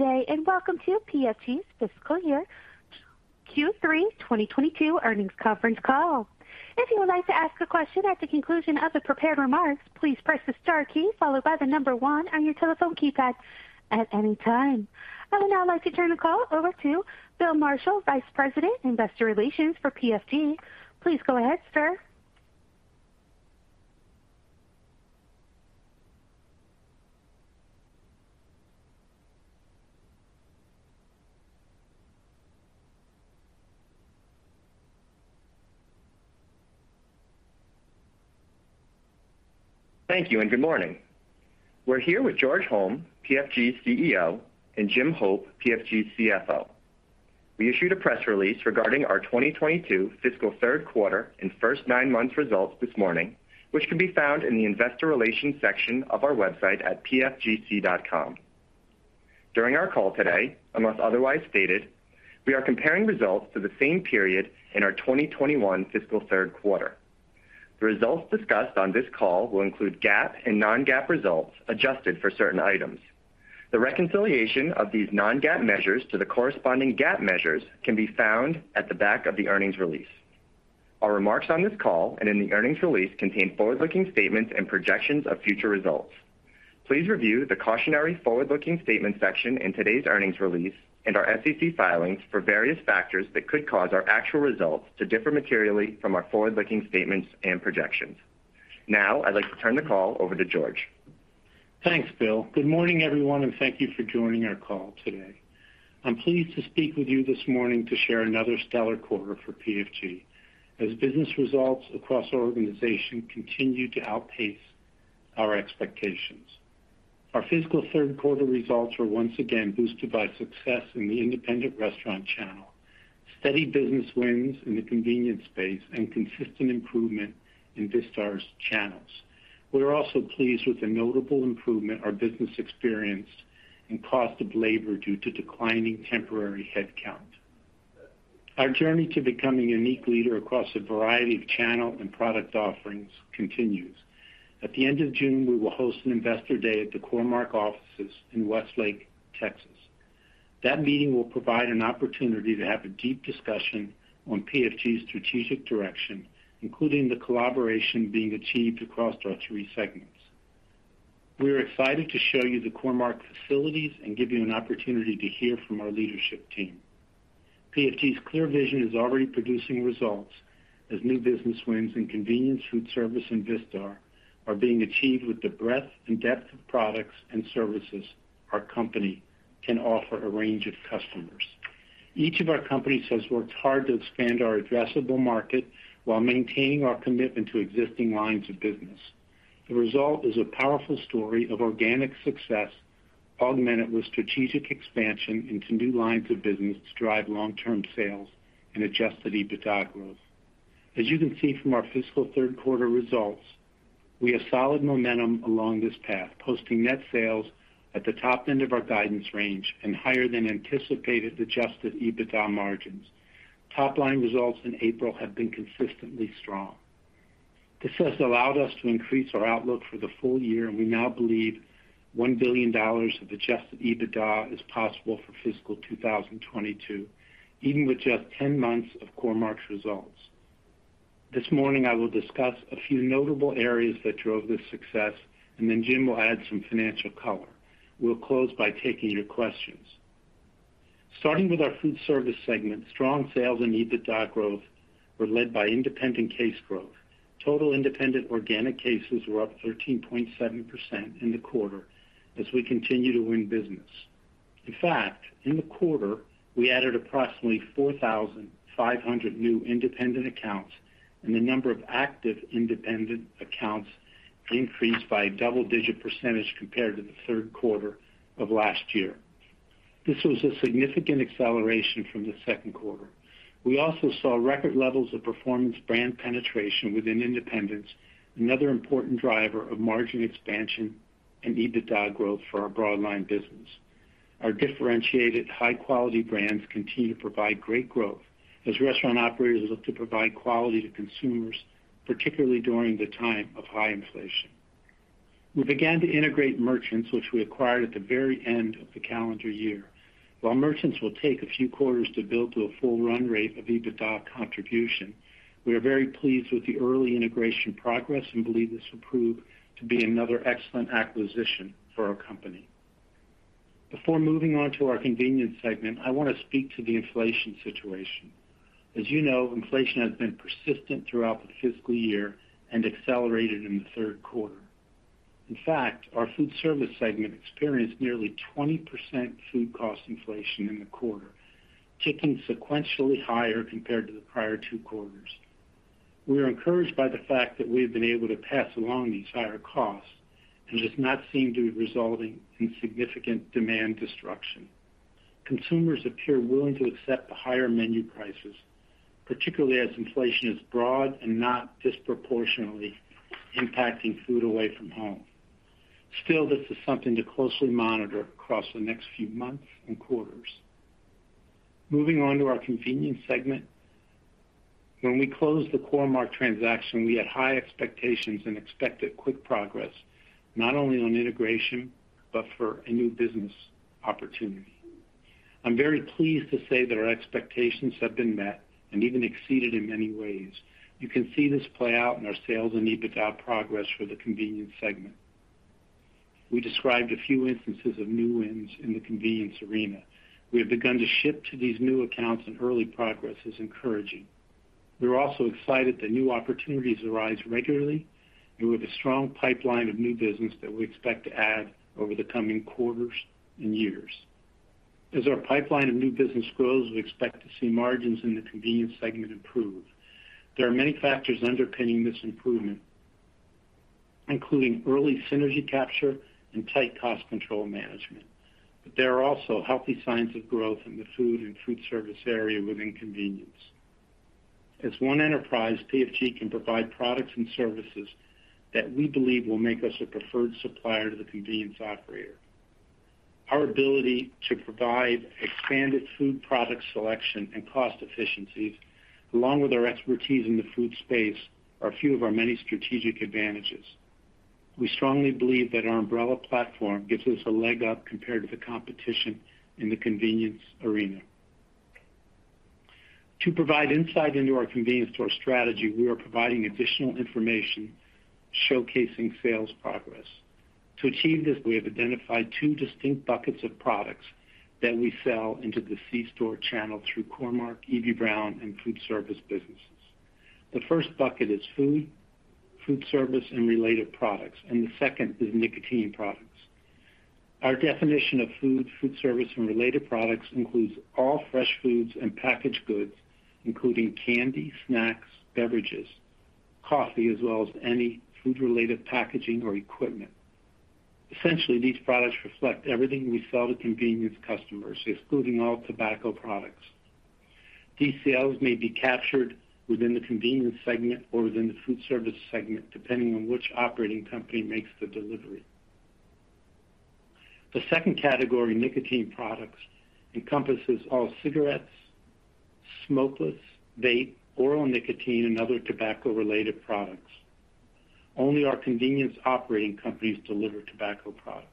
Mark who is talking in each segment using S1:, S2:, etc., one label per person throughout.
S1: Day, and welcome to PFG's fiscal year Q3 2022 earnings conference call. If you would like to ask a question at the conclusion of the prepared remarks, please press the star key followed by the number one on your telephone keypad at any time. I would now like to turn the call over to Bill Marshall, Vice President, Investor Relations for PFG. Please go ahead, sir.
S2: Thank you and good morning. We're here with George Holm, PFG's CEO, and Jim Hope, PFG's CFO. We issued a press release regarding our 2022 fiscal third quarter and first nine months results this morning, which can be found in the investor relations section of our website at pfgc.com. During our call today, unless otherwise stated, we are comparing results to the same period in our 2021 fiscal third quarter. The results discussed on this call will include GAAP and non-GAAP results adjusted for certain items. The reconciliation of these non-GAAP measures to the corresponding GAAP measures can be found at the back of the earnings release. Our remarks on this call and in the earnings release contain forward-looking statements and projections of future results. Please review the Cautionary Forward-Looking Statements section in today's earnings release and our SEC filings for various factors that could cause our actual results to differ materially from our forward-looking statements and projections. Now, I'd like to turn the call over to George.
S3: Thanks, Bill. Good morning, everyone, and thank you for joining our call today. I'm pleased to speak with you this morning to share another stellar quarter for PFG as business results across our organization continue to outpace our expectations. Our fiscal third quarter results were once again boosted by success in the independent restaurant channel, steady business wins in the convenience space and consistent improvement in Vistar's channels. We're also pleased with the notable improvement our business experienced in cost of labor due to declining temporary headcount. Our journey to becoming a unique leader across a variety of channel and product offerings continues. At the end of June, we will host an investor day at the Core-Mark offices in Westlake, Texas. That meeting will provide an opportunity to have a deep discussion on PFG's strategic direction, including the collaboration being achieved across our three segments. We are excited to show you the Core-Mark facilities and give you an opportunity to hear from our leadership team. PFG's clear vision is already producing results as new business wins in convenience, foodservice, and Vistar are being achieved with the breadth and depth of products and services our company can offer a range of customers. Each of our companies has worked hard to expand our addressable market while maintaining our commitment to existing lines of business. The result is a powerful story of organic success, augmented with strategic expansion into new lines of business to drive long-term sales and adjusted EBITDA growth. As you can see from our fiscal third quarter results, we have solid momentum along this path, posting net sales at the top end of our guidance range and higher than anticipated adjusted EBITDA margins. Top line results in April have been consistently strong. This has allowed us to increase our outlook for the full year, and we now believe $1 billion of adjusted EBITDA is possble for fiscal 2022, even with just 10 months of Core-Mark's results. This morning, I will discuss a few notable areas that drove this success, and then Jim will add some financial color. We'll close by taking your questions. Starting with our Foodservice segment, strong sales and EBITDA growth were led by independent case growth. Total independent organic cases were up 13.7% in the quarter as we continue to win business. In fact, in the quarter, we added approximately 4,500 new independent accounts, and the number of active independent accounts increased by a double-digit percentage compared to the third quarter of last year. This was a significant acceleration from the second quarter. We also saw record levels of Performance Brand penetration within independents, another important driver of margin expansion and EBITDA growth for our broadline business. Our differentiated high-quality brands continue to provide great growth as restaurant operators look to provide quality to consumers, particularly during the time of high inflation. We began to integrate Merchants which we acquired at the very end of the calendar year. While Merchants will take a few quarters to build to a full run rate of EBITDA contribution, we are very pleased with the early integration progress and believe this will prove to be another excellent acquisition for our company. Before moving on to our convenience segment, I want to speak to the inflation situation. As you know, inflation has been persistent throughout the fiscal year and accelerated in the third quarter. In fact, our Foodservice segment experienced nearly 20% food cost inflation in the quarter, ticking sequentially higher compared to the prior two quarters. We are encouraged by the fact that we have been able to pass along these higher costs and it does not seem to be resulting in significant demand destruction. Consumers appear willing to accept the higher menu prices, particularly as inflation is broad and not disproportionately impacting food away from home. Still, this is something to closely monitor across the next few months and quarters. Moving on to our convenience segment. When we closed the Core-Mark transaction, we had high expectations and expected quick progress, not only on integration, but for a new business opportunity. I'm very pleased to say that our expectations have been met and even exceeded in many ways. You can see this play out in our sales and EBITDA progress for the convenience segment. We described a few instances of new wins in the convenience arena. We have begun to ship to these new accounts, and early progress is encouraging. We're also excited that new opportunities arise regularly and with a strong pipeline of new business that we expect to add over the coming quarters and years. As our pipeline of new business grows, we expect to see margins in the convenience segment improve. There are many factors underpinning this improvement, including early synergy capture and tight cost control management. There are also healthy signs of growth in the food and food service area within convenience. As one enterprise, PFG can provide products and services that we believe will make us a preferred supplier to the convenience operator. Our ability to provide expanded food product selection and cost efficiencies, along with our expertise in the food space, are a few of our many strategic advantages. We strongly believe that our umbrella platform gives us a leg up compared to the competition in the convenience arena. To provide insight into our convenience store strategy, we are providing additional information showcasing sales progress. To achieve this, we have identified two distinct buckets of products that we sell into the C-store channel through Core-Mark, Eby-Brown, and food service businesses. The first bucket is food service, and related products, and the second is nicotine products. Our definition of food service and related products includes all fresh foods and packaged goods, including candy, snacks, beverages, coffee, as well as any food-related packaging or equipment. Essentially, these products reflect everything we sell to convenience customers, excluding all tobacco products. These sales may be captured within the convenience segment or within the food service segment, depending on which operating company makes the delivery. The second category, nicotine products, encompasses all cigarettes, smokeless, vape, oral nicotine, and other tobacco-related products. Only our convenience operating companies deliver tobacco products.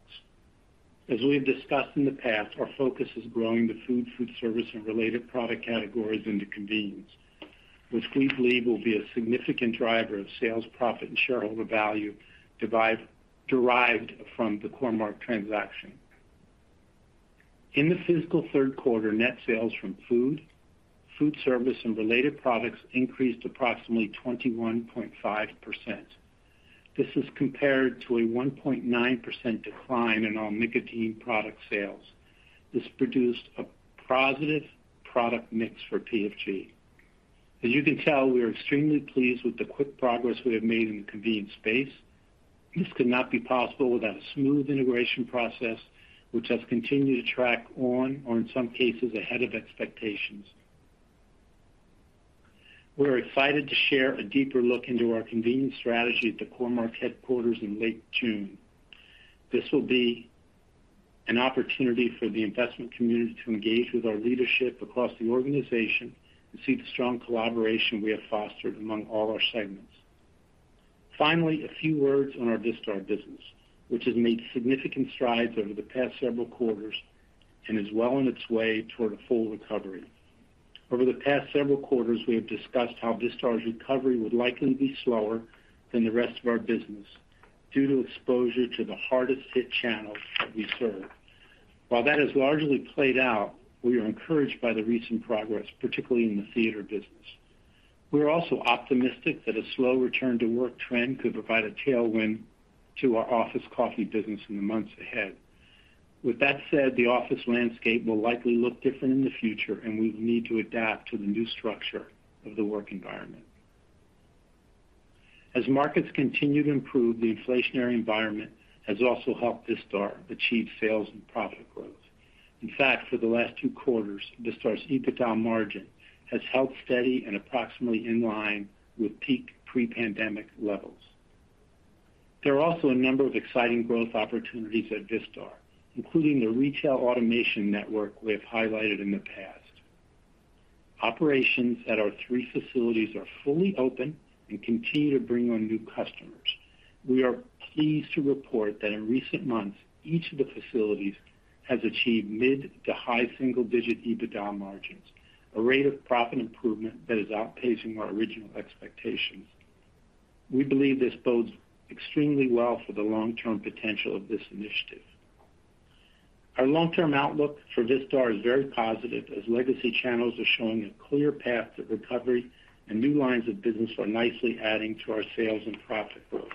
S3: As we have discussed in the past, our focus is growing the food service, and related product categories into convenience, which we believe will be a significant driver of sales, profit, and shareholder value derived from the Core-Mark transaction. In the fiscal third quarter, net sales from food service, and related products increased approximately 21.5%. This is compared to a 1.9% decline in our nicotine product sales. This produced a positive product mix for PFG. As you can tell, we are extremely pleased with the quick progress we have made in the convenience space. This could not be possible without a smooth integration process, which has continued to track on, or in some cases, ahead of expectations. We're excited to share a deeper look into our convenience strategy at the Core-Mark headquarters in late June. This will be an opportunity for the investment community to engage with our leadership across the organization and see the strong collaboration we have fostered among all our segments. Finally, a few words on our Vistar business, which has made significant strides over the past several quarters and is well on its way toward a full recovery. Over the past several quarters, we have discussed how Vistar's recovery would likely be slower than the rest of our business due to exposure to the hardest hit channels that we serve. While that has largely played out, we are encouraged by the recent progress, particularly in the theater business. We're also optimistic that a slow return to work trend could provide a tailwind to our office coffee business in the months ahead. With that said, the office landscape will likely look different in the future, and we will need to adapt to the new structure of the work environment. As markets continue to improve, the inflationary environment has also helped Vistar achieve sales and profit growth. In fact, for the last two quarters, Vistar's EBITDA margin has held steady and approximately in line with peak pre-pandemic levels. There are also a number of exciting growth opportunities at Vistar, including the retail automation network we have highlighted in the past. Operations at our three facilities are fully open and continue to bring on new customers. We are pleased to report that in recent months, each of the facilities has achieved mid- to high single-digit EBITDA margins, a rate of profit improvement that is outpacing our original expectations. We believe this bodes extremely well for the long-term potential of this initiative. Our long-term outlook for Vistar is very positive, as legacy channels are showing a clear path to recovery and new lines of business are nicely adding to our sales and profit growth.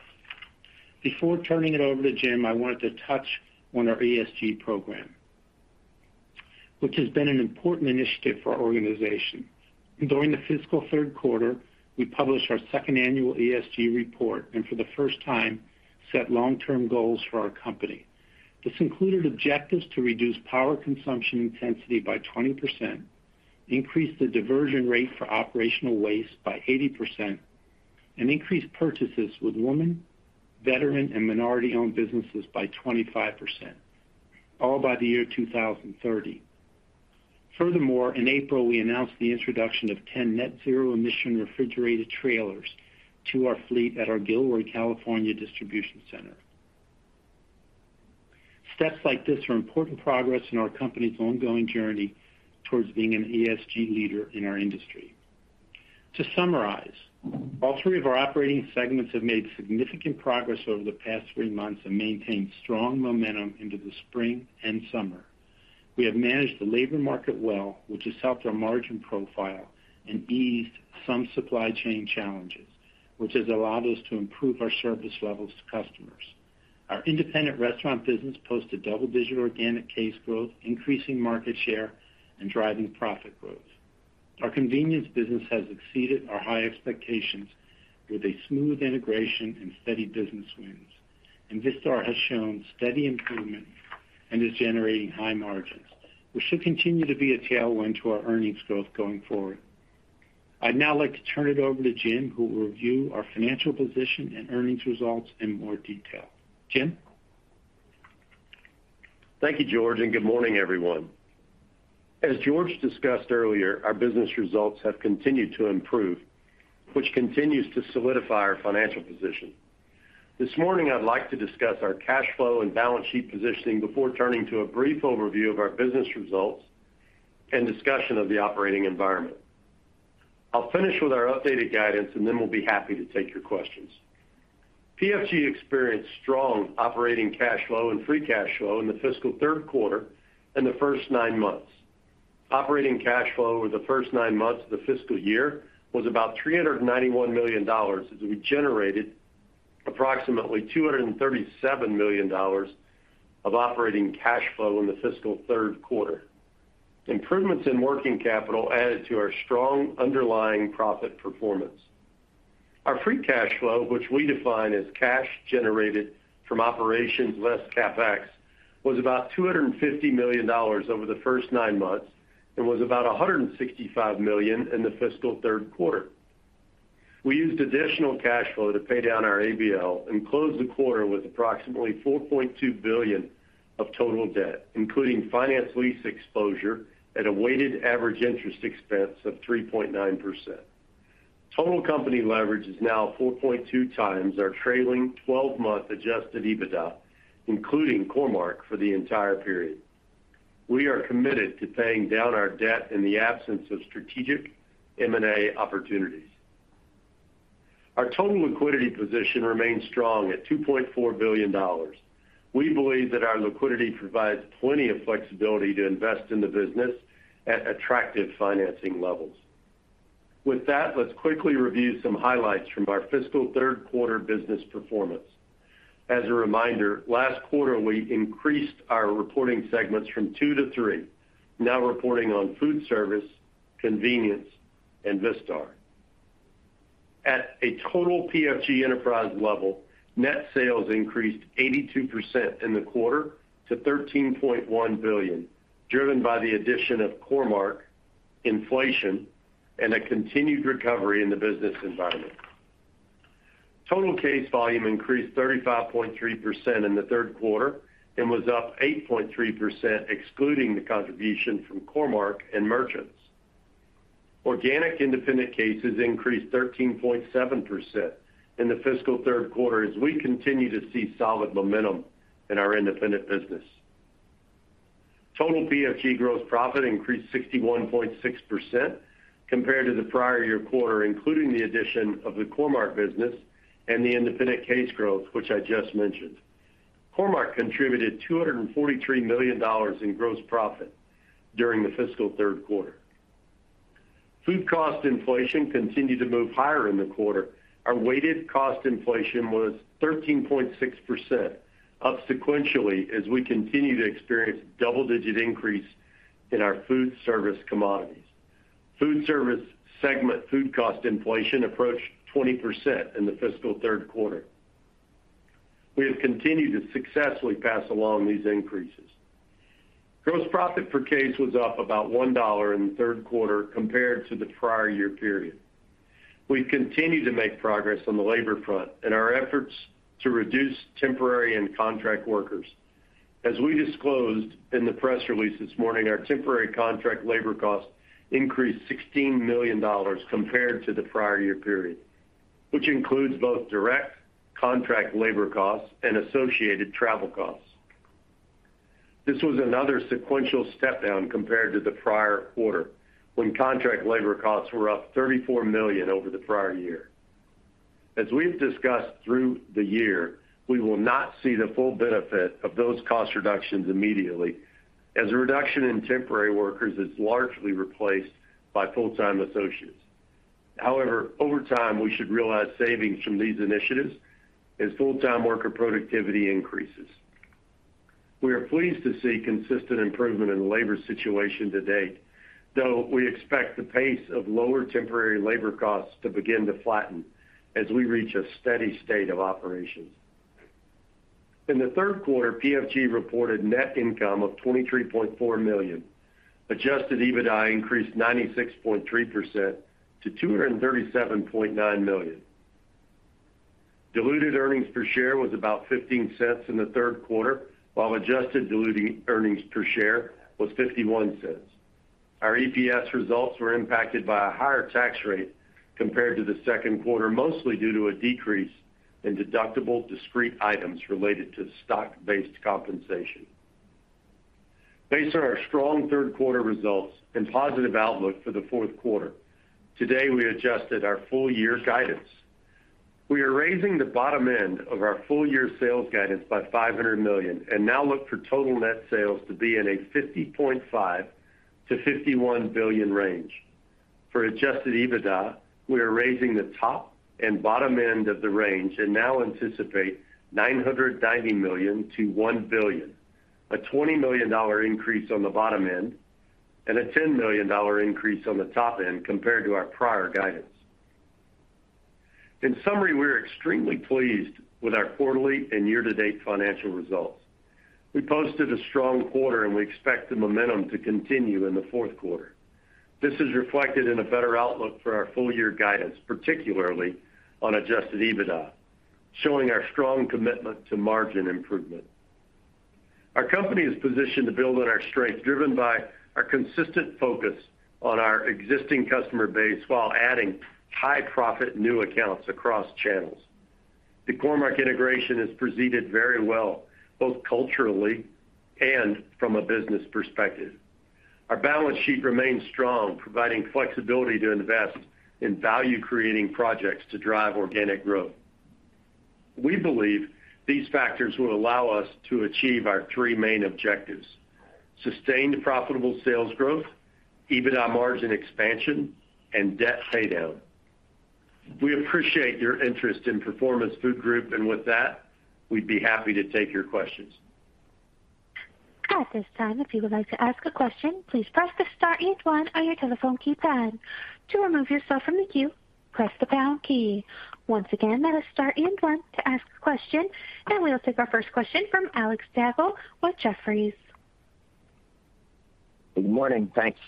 S3: Before turning it over to Jim, I wanted to touch on our ESG program, which has been an important initiative for our organization. During the fiscal third quarter, we published our second annual ESG report and for the first time, set long-term goals for our company. This included objectives to reduce power consumption intensity by 20%, increase the diversion rate for operational waste by 80%, and increase purchases with women, veteran, and minority-owned businesses by 25%, all by the year 2030. Furthermore, in April, we announced the introduction of 10 net zero emission refrigerated trailers to our fleet at our Gilroy, California, distribution center. Steps like this are important progress in our company's ongoing journey towards being an ESG leader in our industry. To summarize, all three of our operating segments have made significant progress over the past three months and maintained strong momentum into the spring and summer. We have managed the labor market well, which has helped our margin profile and eased some supply chain challenges, which has allowed us to improve our service levels to customers. Our independent restaurant business posted double-digit organic case growth, increasing market share and driving profit growth. Our convenience business has exceeded our high expectations with a smooth integration and steady business wins. Vistar has shown steady improvement and is generating high margins, which should continue to be a tailwind to our earnings growth going forward. I'd now like to turn it over to Jim, who will review our financial position and earnings results in more detail. Jim?
S4: Thank you, George, and good morning, everyone. As George discussed earlier, our business results have continued to improve, which continues to solidify our financial position. This morning, I'd like to discuss our cash flow and balance sheet positioning before turning to a brief overview of our business results and discussion of the operating environment. I'll finish with our updated guidance, and then we'll be happy to take your questions. PFG experienced strong operating cash flow and free cash flow in the fiscal third quarter and the first nine months. Operating cash flow over the first nine months of the fiscal year was about $391 million as we generated approximately $237 million of operating cash flow in the fiscal third quarter. Improvements in working capital added to our strong underlying profit performance. Our free cash flow, which we define as cash generated from operations less CapEx, was about $250 million over the first nine months and was about $165 million in the fiscal third quarter. We used additional cash flow to pay down our ABL and closed the quarter with approximately $4.2 billion of total debt, including finance lease exposure at a weighted average interest expense of 3.9%. Total company leverage is now 4.2x our trailing twelve-month adjusted EBITDA, including Core-Mark for the entire period. We are committed to paying down our debt in the absence of strategic M&A opportunities. Our total liquidity position remains strong at $2.4 billion. We believe that our liquidity provides plenty of flexibility to invest in the business at attractive financing levels. With that, let's quickly review some highlights from our fiscal third quarter business performance. As a reminder, last quarter, we increased our reporting segments from two to three, now reporting on Foodservice, Convenience, and Vistar. At a total PFG enterprise level, net sales increased 82% in the quarter to $13.1 billion, driven by the addition of Core-Mark, inflation, and a continued recovery in the business environment. Total case volume increased 35.3% in the third quarter and was up 8.3%, excluding the contribution from Core-Mark and Merchants. Organic independent cases increased 13.7% in the fiscal third quarter as we continue to see solid momentum in our independent business. Total PFG gross profit increased 61.6% compared to the prior year quarter, including the addition of the Core-Mark business and the independent case growth, which I just mentioned. Core-Mark contributed $243 million in gross profit during the fiscal third quarter. Food cost inflation continued to move higher in the quarter. Our weighted cost inflation was 13.6%, up sequentially as we continue to experience double-digit increase in our food service commodities. Food service segment food cost inflation approached 20% in the fiscal third quarter. We have continued to successfully pass along these increases. Gross profit per case was up about $1 in the third quarter compared to the prior year period. We've continued to make progress on the labor front in our efforts to reduce temporary and contract workers. As we disclosed in the press release this morning, our temporary contract labor costs increased $16 million compared to the prior year period, which includes both direct contract labor costs and associated travel costs. This was another sequential step down compared to the prior quarter, when contract labor costs were up $34 million over the prior year. As we've discussed through the year, we will not see the full benefit of those cost reductions immediately as a reduction in temporary workers is largely replaced by full-time associates. However, over time, we should realize savings from these initiatives as full-time worker productivity increases. We are pleased to see consistent improvement in the labor situation to date, though we expect the pace of lower temporary labor costs to begin to flatten as we reach a steady state of operations. In the third quarter, PFG reported net income of $23.4 million. Adjusted EBITDA increased 96.3% to $237.9 million. Diluted earnings per share was about $0.15 in the third quarter, while adjusted diluted earnings per share was $0.51. Our EPS results were impacted by a higher tax rate compared to the second quarter, mostly due to a decrease in deductible discrete items related to stock-based compensation. Based on our strong third quarter results and positive outlook for the fourth quarter, today, we adjusted our full-year guidance. We are raising the bottom end of our full-year sales guidance by $500 million and now look for total net sales to be in a $50.5 billion-$51 billion range. For adjusted EBITDA, we are raising the top and bottom end of the range and now anticipate $990 million-$1 billion, a $20 million increase on the bottom end and a $10 million increase on the top end compared to our prior guidance. In summary, we are extremely pleased with our quarterly and year-to-date financial results. We posted a strong quarter, and we expect the momentum to continue in the fourth quarter. This is reflected in a better outlook for our full-year guidance, particularly on adjusted EBITDA, showing our strong commitment to margin improvement. Our company is positioned to build on our strength, driven by our consistent focus on our existing customer base while adding high-profit new accounts across channels. The Core-Mark integration has proceeded very well, both culturally and from a business perspective. Our balance sheet remains strong, providing flexibility to invest in value-creating projects to drive organic growth. We believe these factors will allow us to achieve our three main objectives. Sustained profitable sales growth, EBITDA margin expansion, and debt paydown. We appreciate your interest in Performance Food Group, and with that, we'd be happy to take your questions.
S1: At this time, if you would like to ask a question, please press star one on your telephone keypad. To remove yourself from the queue, press the pound key. Once again, that is star and one to ask a question, and we will take our first question from Alexander Slagle with Jefferies.
S5: Good morning. Thanks.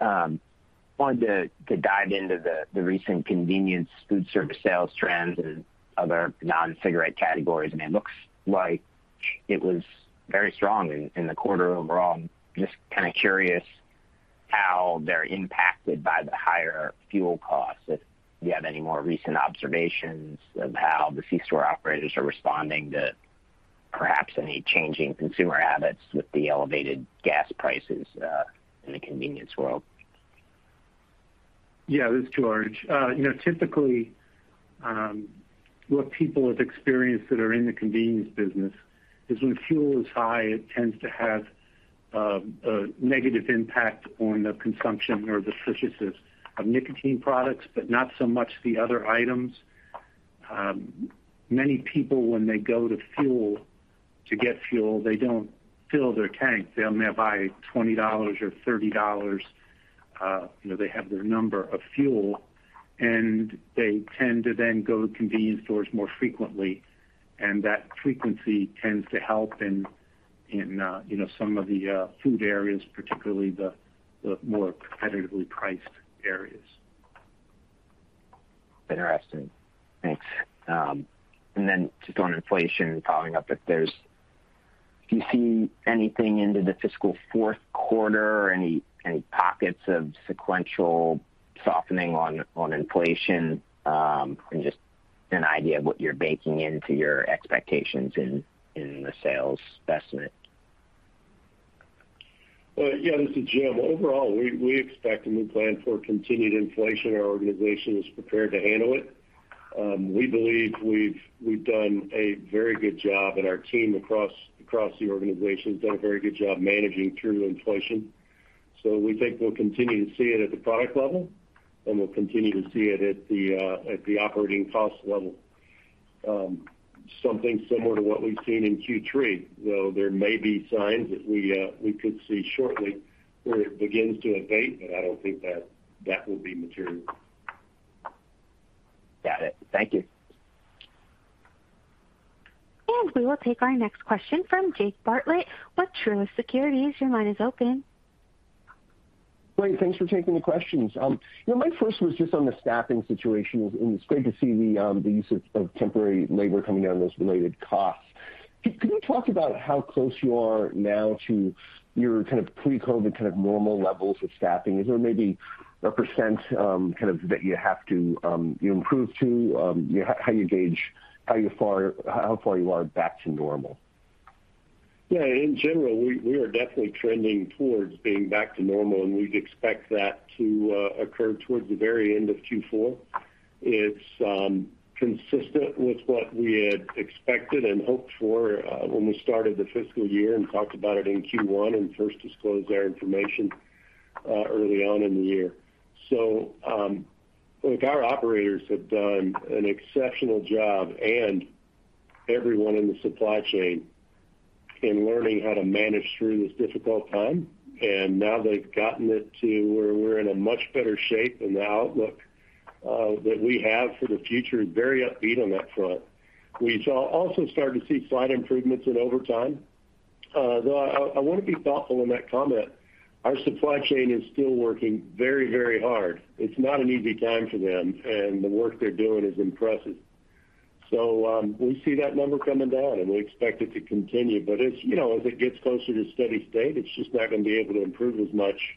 S5: Wanted to dive into the recent convenience food service sales trends and other non-cigarette categories. It looks like it was very strong in the quarter overall. I'm just kinda curious how they're impacted by the higher fuel costs. If you have any more recent observations of how the C-store operators are responding to perhaps any changing consumer habits with the elevated gas prices in the convenience world.
S3: Yeah, this is George. You know, typically, what people have experienced that are in the convenience business is when fuel is high, it tends to have a negative impact on the consumption or the purchases of nicotine products, but not so much the other items. Many people when they go to get fuel, they don't fill their tank. They may buy $20 or $30, you know, they have their number of fuel, and they tend to then go to convenience stores more frequently, and that frequency tends to help in, you know, some of the food areas, particularly the more competitively priced areas.
S5: Interesting. Thanks. Then just on inflation following up, do you see anything into the fiscal fourth quarter? Any pockets of sequential softening on inflation? Just an idea of what you're baking into your expectations in the sales estimate.
S4: Well, yeah, this is Jim. Overall, we expect and we plan for continued inflation. Our organization is prepared to handle it. We believe we've done a very good job and our team across the organization has done a very good job managing through inflation. We think we'll continue to see it at the product level, and we'll continue to see it at the operating cost level. Something similar to what we've seen in Q3, though there may be signs that we could see shortly where it begins to abate, but I don't think that will be material.
S5: Got it. Thank you.
S1: We will take our next question from Jake Bartlett with Truist Securities. Your line is open.
S6: Great. Thanks for taking the questions. You know, my first was just on the staffing situation. It's great to see the use of temporary labor coming down, those related costs. Could you talk about how close you are now to your kind of pre-COVID kind of normal levels of staffing? Is there maybe a percent, kind of that you have to, you improve to, how you gauge how far you are back to normal?
S4: Yeah. In general, we are definitely trending towards being back to normal, and we'd expect that to occur towards the very end of Q4. It's consistent with what we had expected and hoped for when we started the fiscal year and talked about it in Q1 and first disclosed our information early on in the year. Look, our operators have done an exceptional job and everyone in the supply chain.
S3: In learning how to manage through this difficult time. Now they've gotten it to where we're in a much better shape, and the outlook that we have for the future is very upbeat on that front. We also started to see slight improvements in overtime. Though I wanna be thoughtful in that comment. Our supply chain is still working very, very hard. It's not an easy time for them, and the work they're doing is impressive. We see that number coming down, and we expect it to continue, but it's, you know, as it gets closer to steady state, it's just not gonna be able to improve as much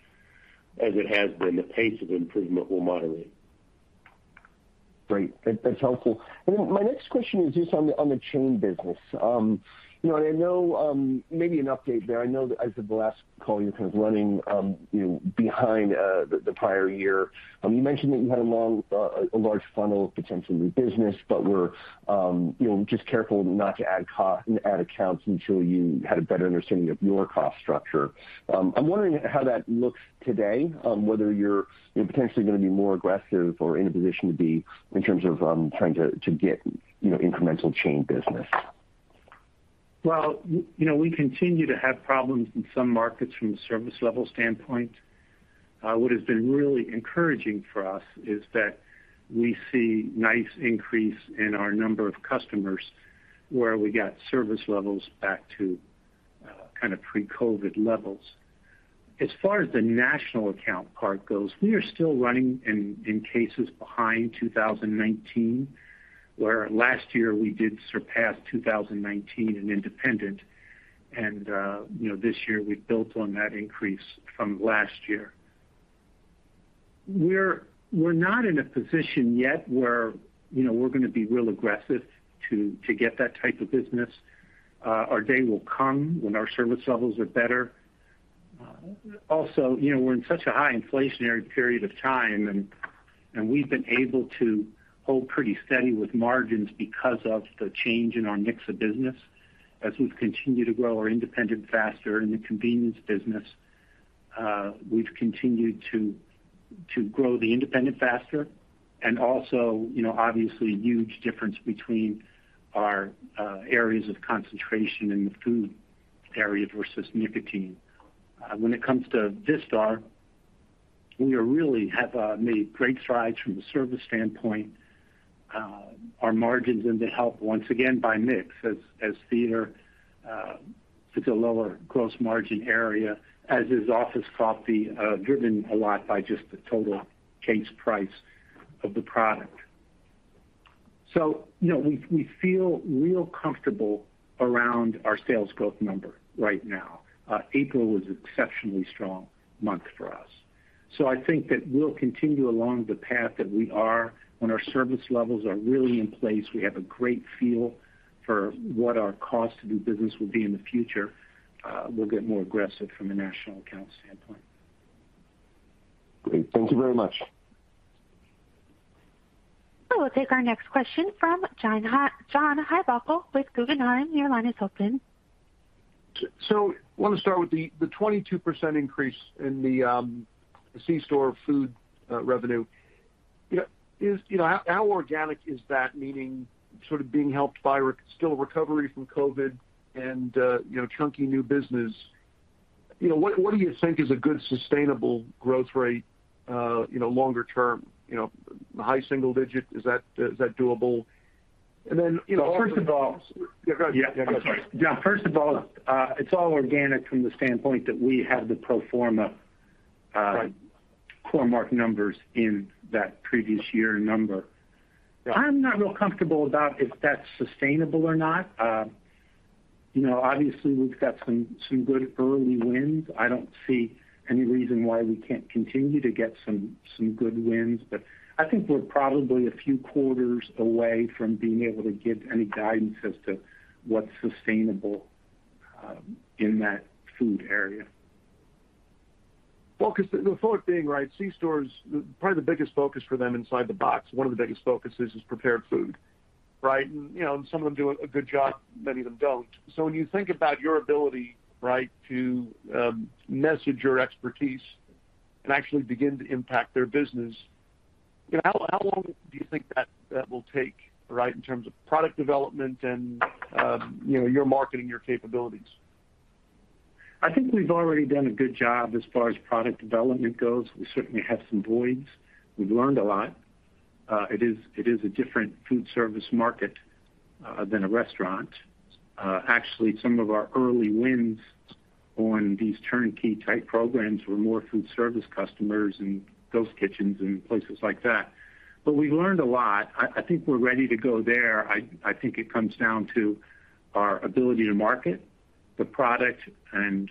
S3: as it has been. The pace of improvement will moderate.
S6: Great. That's helpful. Then my next question is just on the chain business. You know, and I know. Maybe an update there. I know that as of the last call, you're kind of running, you know, behind the prior year. You mentioned that you had a large funnel of potential new business but were, you know, just careful not to add accounts until you had a better understanding of your cost structure. I'm wondering how that looks today, whether you're potentially gonna be more aggressive or in a position to be in terms of trying to get, you know, incremental chain business.
S3: Well, you know, we continue to have problems in some markets from a service level standpoint. What has been really encouraging for us is that we see nice increase in our number of customers where we got service levels back to kind of pre-COVID levels. As far as the national account part goes, we are still running in cases behind 2019, where last year we did surpass 2019 in independent. You know, this year we've built on that increase from last year. We're not in a position yet where, you know, we're gonna be real aggressive to get that type of business. Our day will come when our service levels are better. Also, you know, we're in such a high inflationary period of time, and we've been able to hold pretty steady with margins because of the change in our mix of business. As we've continued to grow our independents faster in the convenience business, we've continued to grow the independents faster and also, you know, obviously, huge difference between our areas of concentration in the food areas versus nicotine. When it comes to Vistar, we really have made great strides from a service standpoint. Our margins are helped once again by mix as Vistar, it's a lower gross margin area, as is office coffee, driven a lot by just the total case price of the product. So, you know, we feel real comfortable around our sales growth number right now. April was exceptionally strong month for us. I think that we'll continue along the path that we are when our service levels are really in place. We have a great feel for what our cost to do business will be in the future. We'll get more aggressive from a national account standpoint.
S6: Great. Thank you very much.
S1: We'll take our next question from John Heinbockel with Guggenheim. Your line is open.
S7: Wanna start with the 22% increase in the c-store food revenue. You know, how organic is that, meaning sort of being helped by recovery from COVID and, you know, chunky new business? You know, what do you think is a good sustainable growth rate, you know, longer term? You know, high single digit, is that doable? You know, also
S3: First of all.
S7: Yeah, go ahead.
S3: Yeah.
S7: I'm sorry.
S3: John, first of all, it's all organic from the standpoint that we have the pro forma.
S7: Right
S3: Core-Mark numbers in that previous year number.
S7: Yeah.
S3: I'm not real comfortable about if that's sustainable or not. You know, obviously, we've got some good early wins. I don't see any reason why we can't continue to get some good wins. I think we're probably a few quarters away from being able to give any guidance as to what's sustainable in that food area.
S7: The focus being, right, c-stores, probably the biggest focus for them inside the box, one of the biggest focuses is prepared food, right? You know, and some of them do a good job, many of them don't. When you think about your ability, right, to message your expertise and actually begin to impact their business, you know, how long do you think that will take, right, in terms of product development and you know, your marketing, your capabilities?
S3: I think we've already done a good job as far as product development goes. We certainly have some voids. We've learned a lot. It is a different foodservice market than a restaurant. Actually, some of our early wins on these turnkey type programs were more foodservice customers in ghost kitchens and places like that. We've learned a lot. I think we're ready to go there. I think it comes down to our ability to market the product and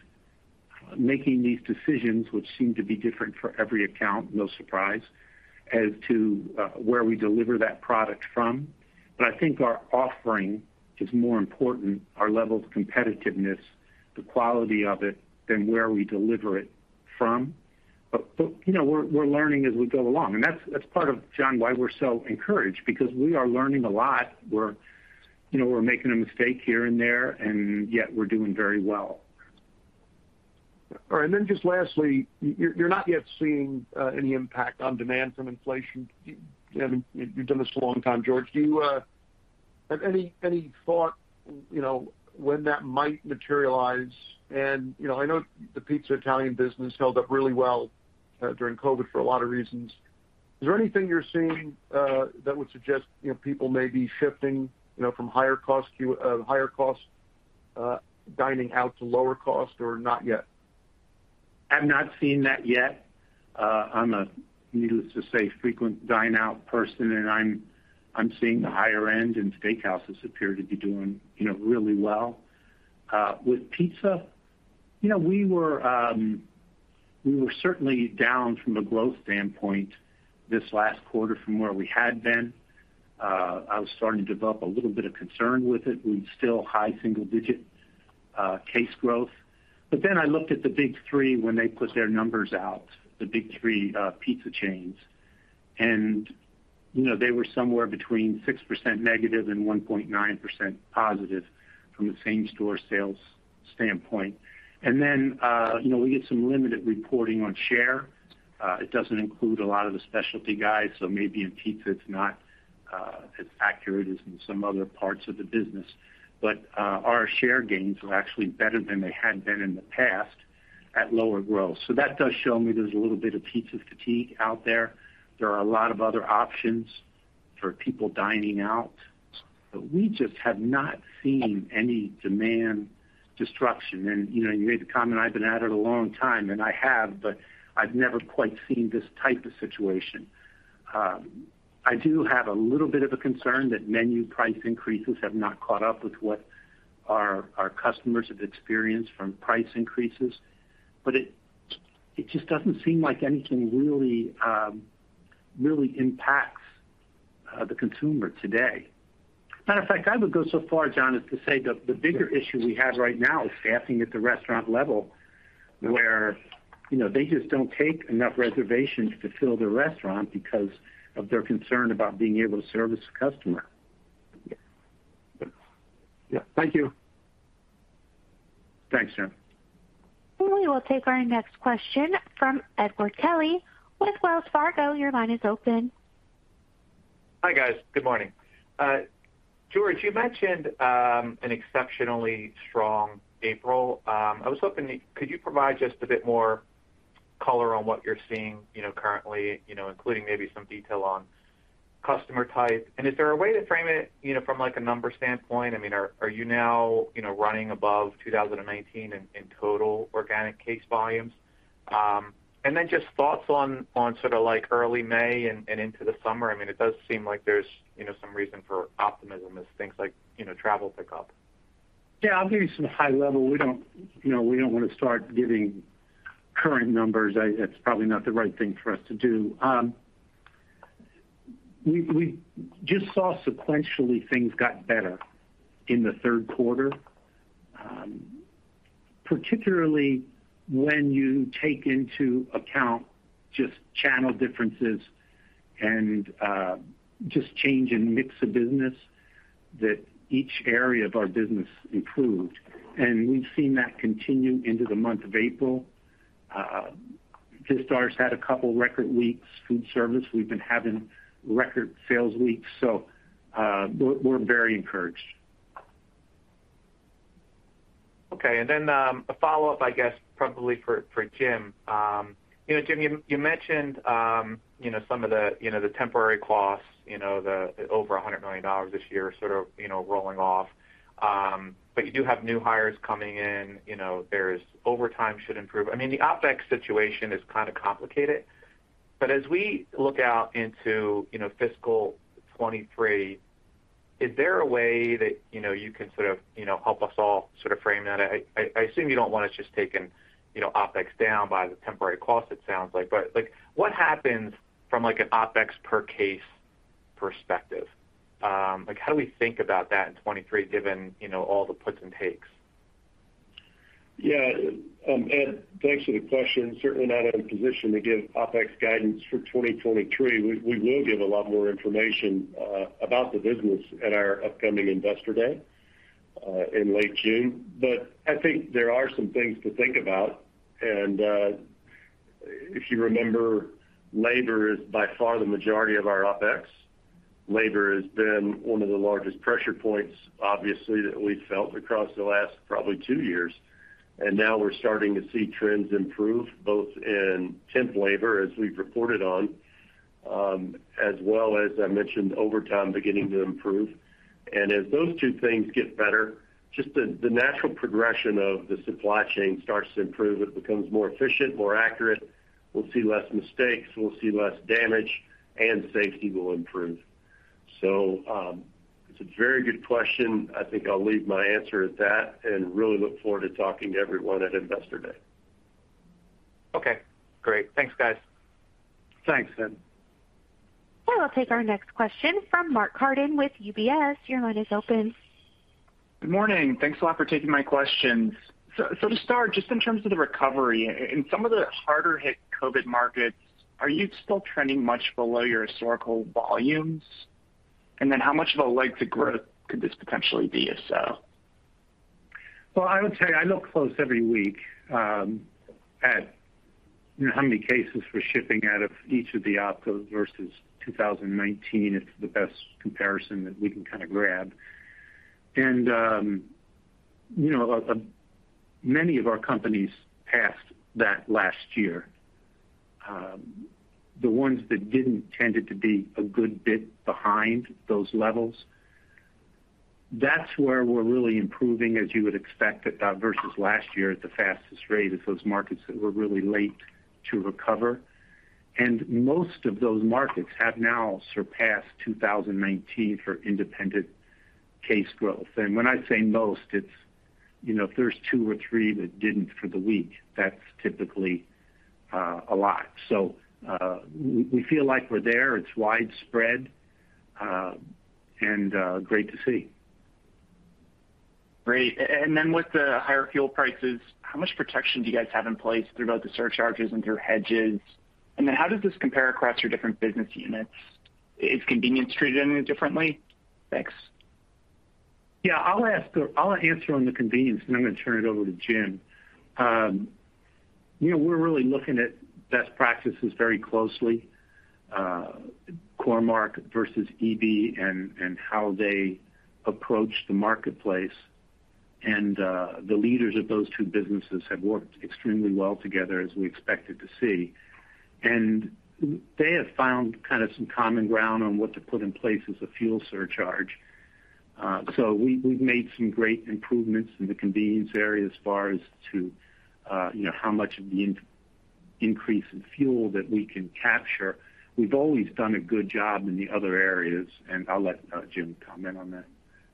S3: making these decisions, which seem to be different for every account, no surprise, as to where we deliver that product from. I think our offering is more important, our level of competitiveness, the quality of it than where we deliver it from. you know, we're learning as we go along, and that's part of, John, why we're so encouraged because we are learning a lot. We're, you know, we're making a mistake here and there, and yet we're doing very well.
S4: All right. Then just lastly, you're not yet seeing any impact on demand from inflation. I mean, you've done this a long time, George. Do you have any thought, you know, when that might materialize? You know, I know the Pizza Hut business held up really well during COVID for a lot of reasons. Is there anything you're seeing that would suggest, you know, people may be shifting, you know, from higher-cost dining out to lower cost, or not yet?
S3: I'm not seeing that yet. I'm a, needless to say, frequent dine out person, and I'm seeing the higher end, and steakhouses appear to be doing, you know, really well. With pizza, you know, we were certainly down from a growth standpoint this last quarter from where we had been. I was starting to develop a little bit of concern with it. We're still high single digit case growth. I looked at the big three when they put their numbers out, the big three pizza chains. You know, they were somewhere between -6% and +1.9% from a same-store sales standpoint. You know, we get some limited reporting on share. It doesn't include a lot of the specialty guys, so maybe in pizza it's not as accurate as in some other parts of the business. Our share gains were actually better than they had been in the past at lower growth. That does show me there's a little bit of pizza fatigue out there. There are a lot of other options for people dining out. We just have not seen any demand destruction. You know, you made the comment I've been at it a long time, and I have, but I've never quite seen this type of situation. I do have a little bit of a concern that menu price increases have not caught up with what our customers have experienced from price increases. It just doesn't seem like anything really impacts the consumer today. Matter of fact, I would go so far, John, as to say the bigger issue we have right now is staffing at the restaurant level where, you know, they just don't take enough reservations to fill the restaurant because of their concern about being able to service the customer.
S4: Yeah. Thank you.
S3: Thanks, Jim.
S1: We will take our next question from Edward Kelly with Wells Fargo. Your line is open.
S8: Hi, guys. Good morning. George, you mentioned an exceptionally strong April. I was hoping, could you provide just a bit more color on what you're seeing, you know, currently, you know, including maybe some detail on customer type? Is there a way to frame it, you know, from, like, a number standpoint? I mean, are you now, you know, running above 2019 in total organic case volumes? Then just thoughts on sort of like early May and into the summer. I mean, it does seem like there's, you know, some reason for optimism as things like, you know, travel pick up.
S3: Yeah, I'll give you some high level. We don't, you know, we don't wanna start giving current numbers. It's probably not the right thing for us to do. We just saw sequentially things got better in the third quarter, particularly when you take into account just channel differences and just change in mix of businessthat each area of our business improved. We've seen that continue into the month of April. Pizza Hut's had a couple record weeks. Foodservice, we've been having record sales weeks, so we're very encouraged.
S8: Okay. A follow-up, I guess, probably for Jim. You know, Jim, you mentioned you know some of the you know the temporary costs, you know, the over $100 million this year sort of you know rolling off. You do have new hires coming in. You know, there's overtime should improve. I mean, the OpEx situation is kinda complicated. As we look out into you know fiscal 2023, is there a way that you know you can sort of you know help us all sort of frame that? I assume you don't want us just taking you know OpEx down by the temporary cost, it sounds like. Like, what happens from like an OpEx per case perspective? Like, how do we think about that in 2023 given you know all the puts and takes?
S4: Yeah. Ed, thanks for the question. Certainly not in a position to give OpEx guidance for 2023. We will give a lot more information about the business at our upcoming Investor Day in late June. I think there are some things to think about. If you remember, labor is by far the majority of our OpEx. Labor has been one of the largest pressure points, obviously, that we felt across the last probably two years. Now we're starting to see trends improve, both in temp labor, as we've reported on, as well as I mentioned, overtime beginning to improve. As those two things get better, just the natural progression of the supply chain starts to improve. It becomes more efficient, more accurate. We'll see less mistakes, we'll see less damage, and safety will improve. it's a very good question. I think I'll leave my answer at that and really look forward to talking to everyone at Investor Day.
S8: Okay, great. Thanks, guys.
S4: Thanks, Ed.
S1: I will take our next question from Mark Carden with UBS. Your line is open.
S9: Good morning. Thanks a lot for taking my questions. To start, just in terms of the recovery, in some of the harder hit COVID markets, are you still trending much below your historical volumes? How much of a leg to growth could this potentially be if so?
S3: Well, I would say I look close every week at how many cases we're shipping out of each of the opcos versus 2019. It's the best comparison that we can kind of grab. You know, many of our companies passed that last year. The ones that didn't tended to be a good bit behind those levels. That's where we're really improving, as you would expect, at that versus last year at the fastest rate is those markets that were really late to recover. Most of those markets have now surpassed 2019 for independent case growth. When I say most, it's, you know, if there's two or three that didn't for the week, that's typically a lot. We feel like we're there. It's widespread and great to see.
S9: Great. With the higher fuel prices, how much protection do you guys have in place through both the surcharges and through hedges? How does this compare across your different business units? Is convenience treated any differently? Thanks.
S3: Yeah. I'll answer on the convenience, and then I'm gonna turn it over to Jim. You know, we're really looking at best practices very closely, Core-Mark versus EB and how they approach the marketplace. The leaders of those two businesses have worked extremely well together as we expected to see. They have found kind of some common ground on what to put in place as a fuel surcharge. We've made some great improvements in the convenience area as far as to, you know, how much of the increase in fuel that we can capture. We've always done a good job in the other areas, and I'll let Jim comment on that.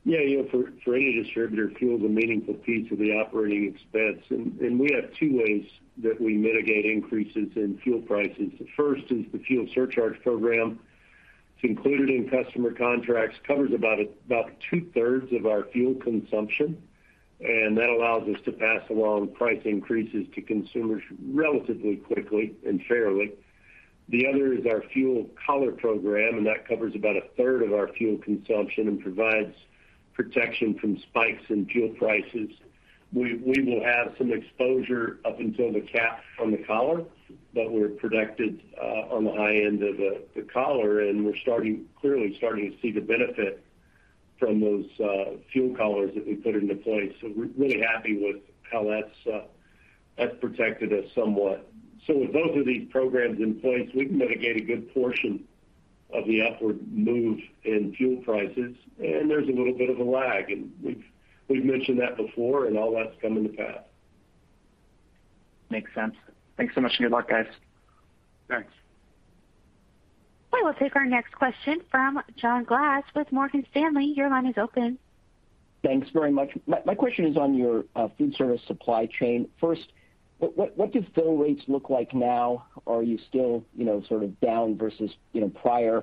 S4: Yeah. You know, for any distributor, fuel is a meaningful piece of the operating expense. We have two ways that we mitigate increases in fuel prices. The first is the fuel surcharge program. It's included in customer contracts, covers about two-thirds of our fuel consumption, and that allows us to pass along price increases to consumers relatively quickly and fairly. The other is our fuel collar program, and that covers about a third of our fuel consumption and provides protection from spikes in fuel prices. We will have some exposure up until the cap from the collar, but we're protected on the high end of the collar, and we're clearly starting to see the benefit from those fuel collars that we put into place. We're really happy with how that's protected us somewhat. With both of these programs in place, we can mitigate a good portion of the upward move in fuel prices. There's a little bit of a lag, and we've mentioned that before and all that's come in the past.
S9: Makes sense. Thanks so much, and good luck, guys.
S4: Thanks.
S1: We will take our next question from John Glass with Morgan Stanley. Your line is open.
S10: Thanks very much. My question is on your food service supply chain. First, what do fill rates look like now? Are you still, you know, sort of down versus, you know, prior?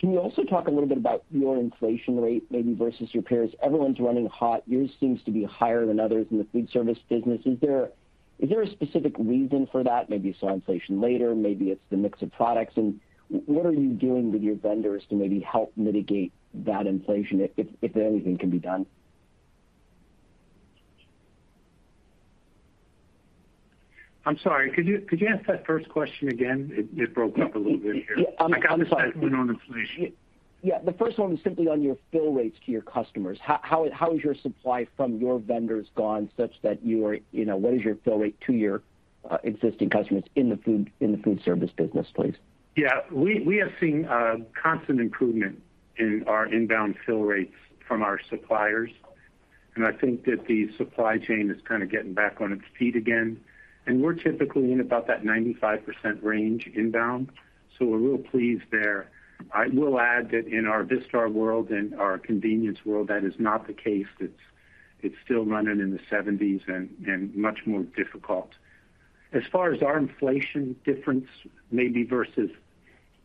S10: Can you also talk a little bit about your inflation rate maybe versus your peers? Everyone's running hot. Yours seems to be higher than others in the food service business. Is there a specific reason for that? Maybe you saw inflation later, maybe it's the mix of products. What are you doing with your vendors to maybe help mitigate that inflation if anything can be done?
S3: I'm sorry. Could you ask that first question again? It broke up a little bit here.
S10: Yeah. I'm sorry.
S3: I got the second one on inflation.
S10: Yeah. The first one was simply on your fill rates to your customers. How has your supply from your vendors gone such that you are, you know, what is your fill rate to your existing customers in the food service business, please?
S3: Yeah. We have seen constant improvement in our inbound fill rates from our suppliers, and I think that the supply chain is kind of getting back on its feet again. We're typically in about that 95% range inbound. We're real pleased there. I will add that in our Vistar world and our convenience world, that is not the case. It's still running in the seventies and much more difficult. As far as our inflation difference, maybe versus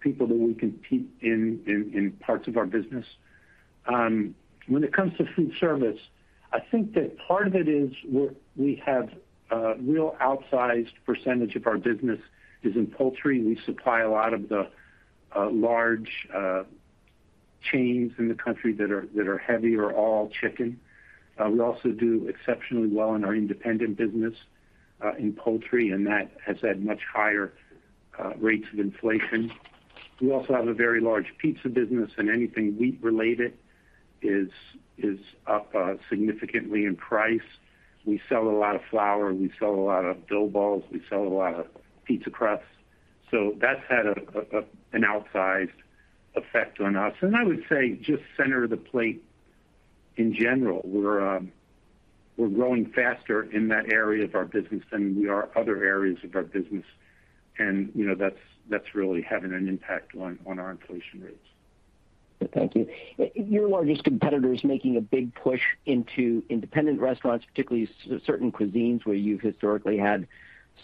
S3: people that we compete in parts of our business, when it comes to food service, I think that part of it is we have a real outsized percentage of our business is in poultry. We supply a lot of the large chains in the country that are heavy or all chicken. We also do exceptionally well in our independent business in poultry, and that has had much higher rates of inflation. We also have a very large pizza business, and anything wheat related is up significantly in price. We sell a lot of flour, we sell a lot of dough balls, we sell a lot of pizza crusts. That's had an outsized effect on us. I would say just center of the plate in general, we're growing faster in that area of our business than we are other areas of our business. You know, that's really having an impact on our inflation rates.
S10: Thank you. Your largest competitor is making a big push into independent restaurants, particularly certain cuisines where you've historically had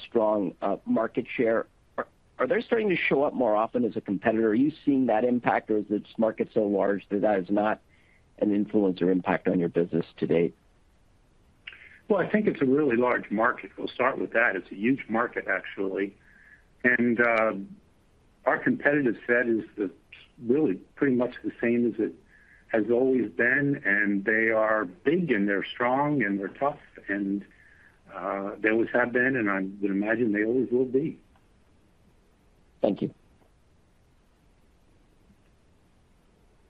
S10: strong market share. Are they starting to show up more often as a competitor? Are you seeing that impact, or is this market so large that that is not an influence or impact on your business to date?
S3: Well, I think it's a really large market. We'll start with that. It's a huge market, actually. Our competitive set is really pretty much the same as it has always been. They are big, and they're strong, and they're tough. They always have been, and I would imagine they always will be.
S10: Thank you.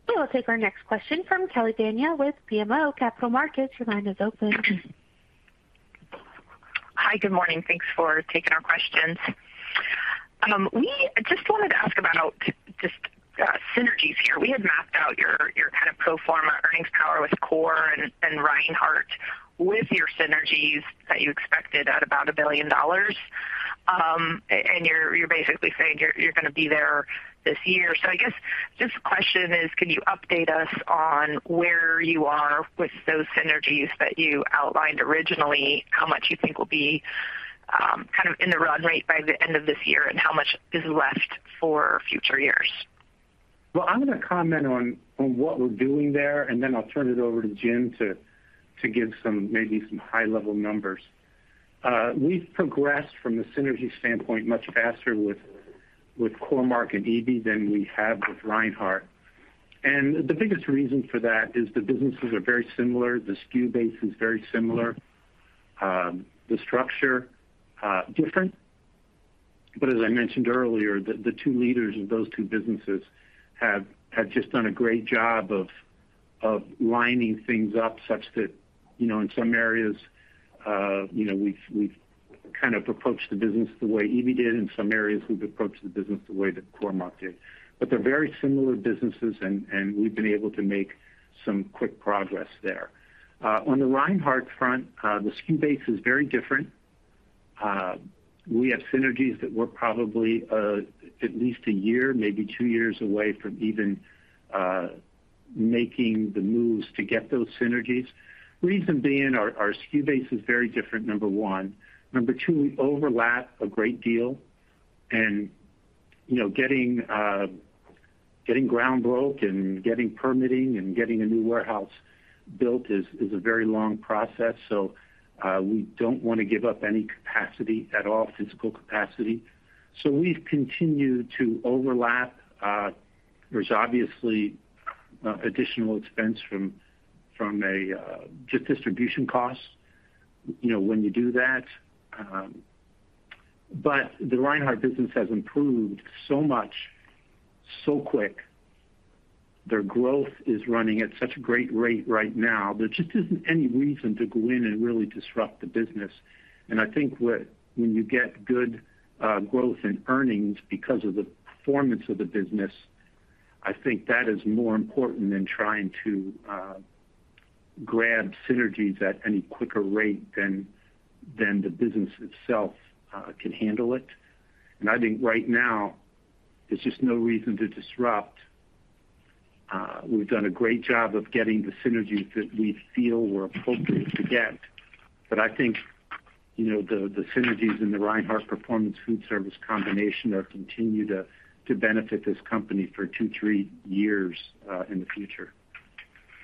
S1: We'll take our next question from Kelly Bania with BMO Capital Markets. Your line is open.
S11: Hi, good morning. Thanks for taking our questions. We just wanted to ask about just synergies here. We had mapped out your kind of pro forma earnings power with Core and Reinhart with your synergies that you expected at about $1 billion. And you're basically saying you're gonna be there this year. I guess just the question is, can you update us on where you are with those synergies that you outlined originally, how much you think will be kind of in the run rate by the end of this year, and how much is left for future years?
S3: Well, I'm gonna comment on what we're doing there, and then I'll turn it over to Jim to give some maybe some high-level numbers. We've progressed from the synergy standpoint much faster with Core-Mark and EB than we have with Reinhart. The biggest reason for that is the businesses are very similar. The SKU base is very similar. The structure different. As I mentioned earlier, the two leaders of those two businesses have just done a great job of lining things up such that, you know, in some areas, you know, we've kind of approached the business the way EB did. In some areas, we've approached the business the way that Core-Mark did. They're very similar businesses and we've been able to make some quick progress there. On the Reinhart front, the SKU base is very different. We have synergies that we're probably at least one year, maybe two years away from even making the moves to get those synergies. Reason being our SKU base is very different, number one. Number two, we overlap a great deal and, you know, getting ground broke and getting permitting and getting a new warehouse built is a very long process. We don't wanna give up any capacity at all, physical capacity. We've continued to overlap. There's obviously additional expense from just a distribution cost, you know, when you do that. The Reinhart business has improved so much so quick. Their growth is running at such a great rate right now. There just isn't any reason to go in and really disrupt the business. I think when you get good growth in earnings because of the performance of the business, I think that is more important than trying to grab synergies at any quicker rate than the business itself can handle it. I think right now, there's just no reason to disrupt. We've done a great job of getting the synergies that we feel were appropriate to get. I think, you know, the synergies in the Reinhart Performance Foodservice combination continue to benefit this company for 2, 3 years in the future.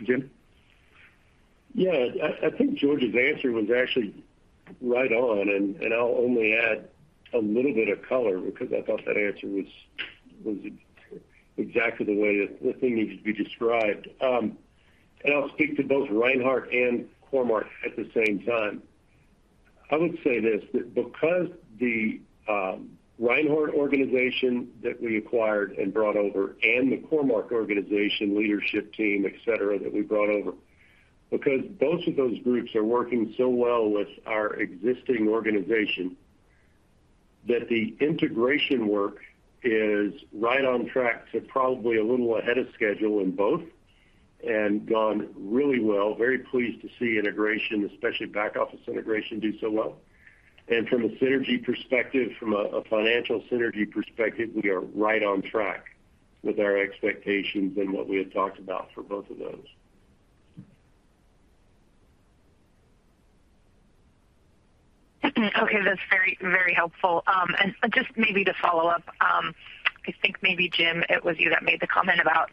S3: Jim?
S4: Yeah. I think George's answer was actually right on, and I'll only add a little bit of color because I thought that answer was exactly the way that the thing needed to be described. I'll speak to both Reinhart and Core-Mark at the same time. I would say this, that because the Reinhart organization that we acquired and brought over and the Core-Mark organization leadership team, et cetera, that we brought over, because both of those groups are working so well with our existing organization that the integration work is right on track to probably a little ahead of schedule in both and gone really well. Very pleased to see integration, especially back office integration, do so well. From a synergy perspective, from a financial synergy perspective, we are right on track with our expectations and what we had talked about for both of those.
S11: Okay. That's very, very helpful. Just maybe to follow up, I think maybe, Jim, it was you that made the comment about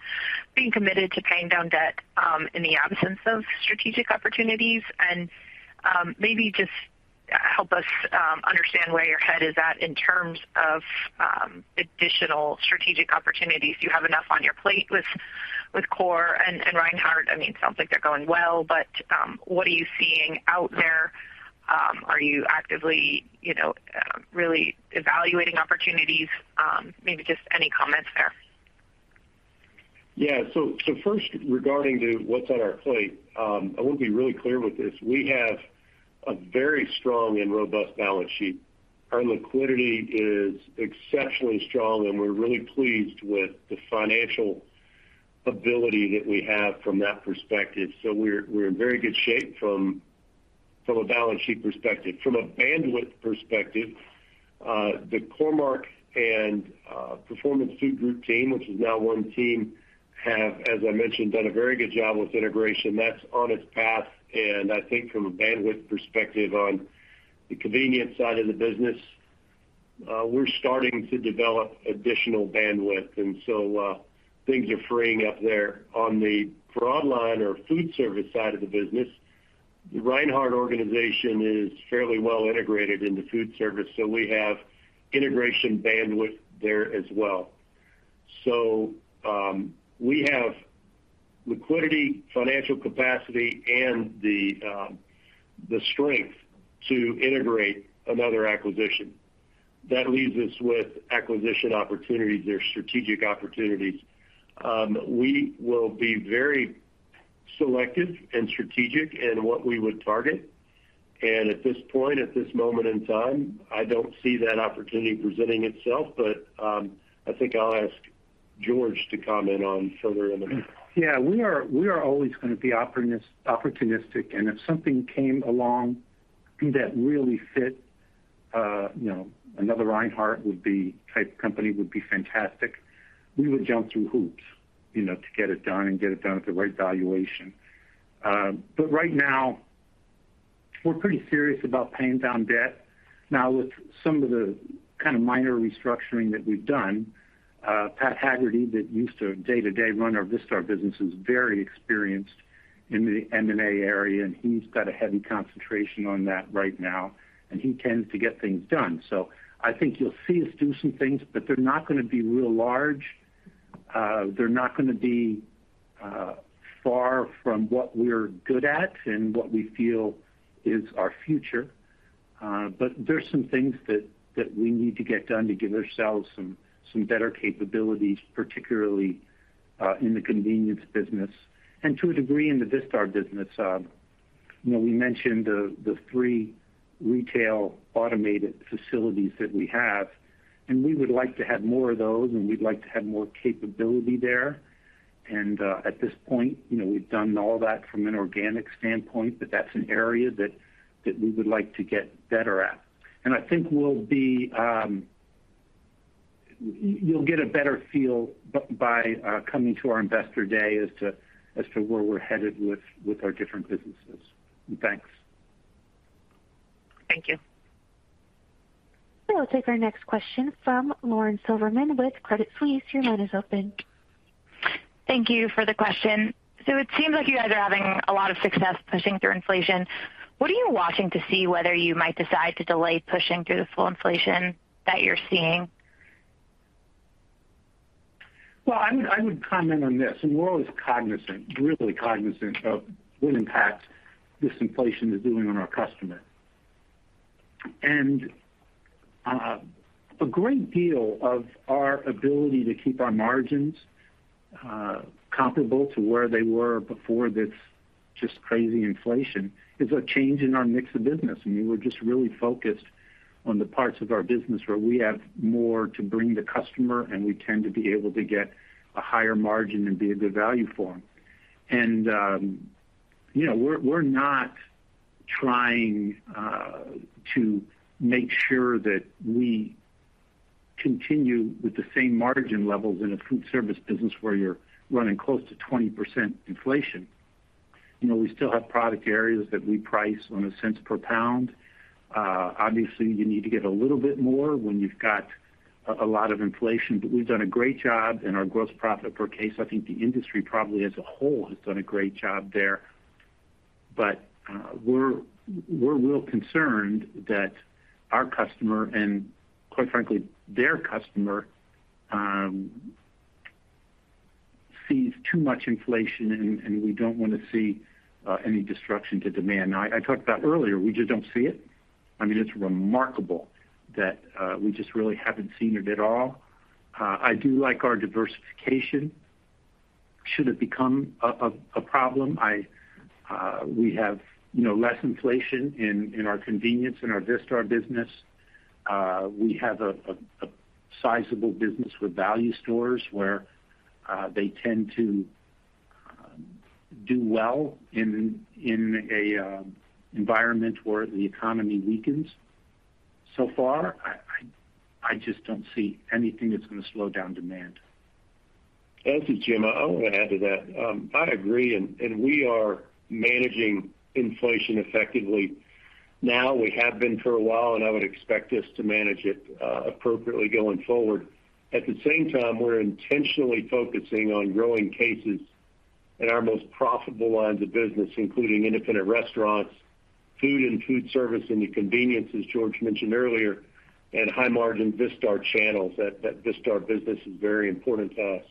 S11: being committed to paying down debt in the absence of strategic opportunities. Maybe just help us understand where your head is at in terms of additional strategic opportunities. Do you have enough on your plate with Core and Reinhart? I mean, it sounds like they're going well, but what are you seeing out there? Are you actively, you know, really evaluating opportunities? Maybe just any comments there.
S4: First regarding what's on our plate, I wanna be really clear with this. We have a very strong and robust balance sheet. Our liquidity is exceptionally strong, and we're really pleased with the financial flexibility that we have from that perspective. We're in very good shape from a balance sheet perspective. From a bandwidth perspective, the Core-Mark and Performance Food Group team, which is now one team, have, as I mentioned, done a very good job with integration. That's on its path. I think from a bandwidth perspective on the convenience side of the business, we're starting to develop additional bandwidth, and so things are freeing up there. On the broadline or food service side of the business, the Reinhart organization is fairly well integrated in the food service, so we have integration bandwidth there as well. We have liquidity, financial capacity, and the strength to integrate another acquisition. That leaves us with acquisition opportunities or strategic opportunities. We will be very selective and strategic in what we would target. At this point, at this moment in time, I don't see that opportunity presenting itself. I think I'll ask George to comment on further on the
S3: We are always gonna be opportunistic. If something came along that really fit, you know, another Reinhart type company would be fantastic. We would jump through hoops, you know, to get it done at the right valuation. Right now, we're pretty serious about paying down debt. Now with some of the kind of minor restructuring that we've done, Patrick Hagerty, that used to day-to-day run our Vistar business, is very experienced in the M&A area, and he's got a heavy concentration on that right now, and he tends to get things done. I think you'll see us do some things, but they're not gonna be real large. They're not gonna be far from what we're good at and what we feel is our future. There's some things that we need to get done to give ourselves some better capabilities, particularly in the convenience business and to a degree in the Vistar business. You know, we mentioned the three retail automated facilities that we have, and we would like to have more of those, and we'd like to have more capability there. At this point, you know, we've done all that from an organic standpoint, but that's an area that we would like to get better at. I think you'll get a better feel by coming to our Investor Day as to where we're headed with our different businesses. Thanks.
S11: Thank you.
S1: We'll take our next question from Lauren Silberman with Credit Suisse. Your line is open.
S12: Thank you for the question. It seems like you guys are having a lot of success pushing through inflation. What are you watching to see whether you might decide to delay pushing through the full inflation that you're seeing?
S3: Well, I would comment on this. We're always cognizant of what impact this inflation is doing on our customer. A great deal of our ability to keep our margins comparable to where they were before this just crazy inflation is a change in our mix of business. I mean, we're just really focused on the parts of our business where we have more to bring the customer, and we tend to be able to get a higher margin and be a good value for them. You know, we're not trying to make sure that we continue with the same margin levels in a food service business where you're running close to 20% inflation. You know, we still have product areas that we price on a cents per pound. Obviously you need to get a little bit more when you've got a lot of inflation. We've done a great job in our gross profit per case. I think the industry probably as a whole has done a great job there. We're real concerned that our customer and quite frankly their customer sees too much inflation and we don't wanna see any disruption to demand. Now I talked about earlier, we just don't see it. I mean, it's remarkable that we just really haven't seen it at all. I do like our diversification should it become a problem. We have, you know, less inflation in our Convenience and our Vistar business. We have a sizable business with value stores where they tend to do well in an environment where the economy weakens. So far, I just don't see anything that's gonna slow down demand.
S4: Thank you, Jim. I wanna add to that. I agree, and we are managing inflation effectively now. We have been for a while, and I would expect us to manage it appropriately going forward. At the same time, we're intentionally focusing on growing cases in our most profitable lines of business, including independent restaurants, foodservice in the convenience, as George mentioned earlier, and high-margin Vistar channels. That Vistar business is very important to us.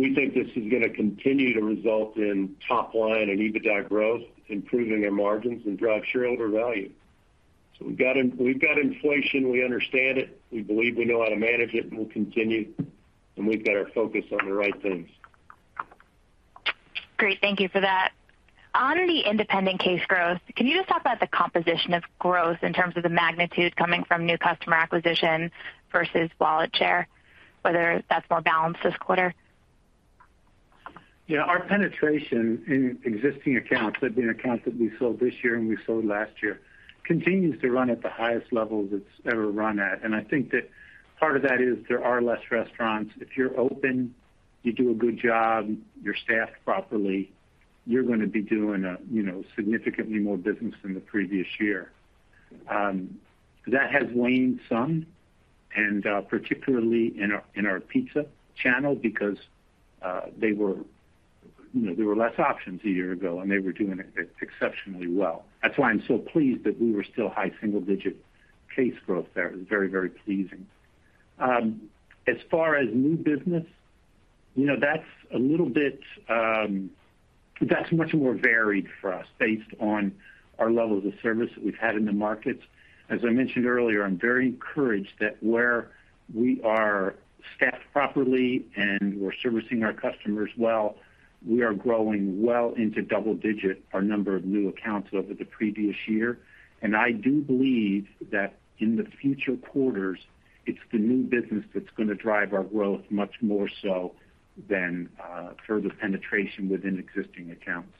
S4: We think this is gonna continue to result in top line and EBITDA growth, improving our margins and drive shareholder value. We've got inflation, we understand it. We believe we know how to manage it, and we'll continue, and we've got our focus on the right things.
S12: Great. Thank you for that. On the independent case growth, can you just talk about the composition of growth in terms of the magnitude coming from new customer acquisition versus wallet share, whether that's more balanced this quarter?
S3: Yeah. Our penetration in existing accounts, have been accounts that we sold this year and we sold last year, continues to run at the highest level it's ever run at. I think that part of that is there are less restaurants. If you're open, you do a good job, you're staffed properly. You're gonna be doing, you know, significantly more business than the previous year. That has waned some and, particularly in our pizza channel because, they were, you know, there were less options a year ago, and they were doing exceptionally well. That's why I'm so pleased that we were still high single digit case growth there. It was very, very pleasing. As far as new business, you know, that's a little bit. That's much more varied for us based on our levels of service that we've had in the markets. As I mentioned earlier, I'm very encouraged that where we are staffed properly and we're servicing our customers well, we are growing well into double digit, our number of new accounts over the previous year. I do believe that in the future quarters, it's the new business that's gonna drive our growth much more so than further penetration within existing accounts.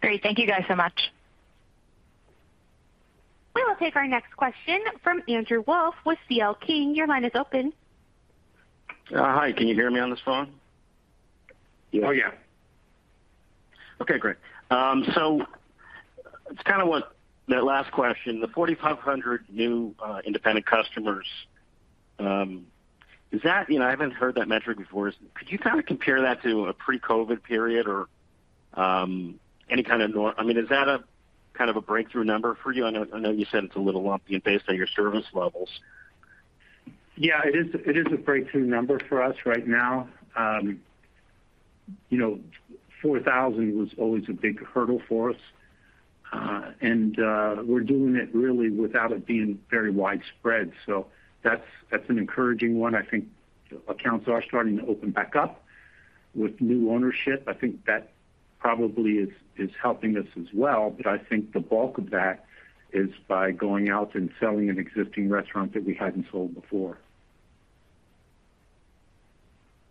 S9: Great. Thank you guys so much.
S1: We will take our next question from Andrew Wolf with C.L. King. Your line is open.
S13: Hi. Can you hear me on this phone?
S3: Oh, yeah.
S13: Okay, great. So it's kinda what that last question, the 4,500 new independent customers, is that. You know, I haven't heard that metric before. Could you kinda compare that to a pre-COVID period or any kind of. I mean, is that a kind of a breakthrough number for you? I know you said it's a little lumpy and based on your service levels.
S3: Yeah, it is a breakthrough number for us right now. You know, 4,000 was always a big hurdle for us. We're doing it really without it being very widespread. That's an encouraging one. I think accounts are starting to open back up with new ownership. I think that probably is helping us as well. I think the bulk of that is by going out and selling an existing restaurant that we hadn't sold before.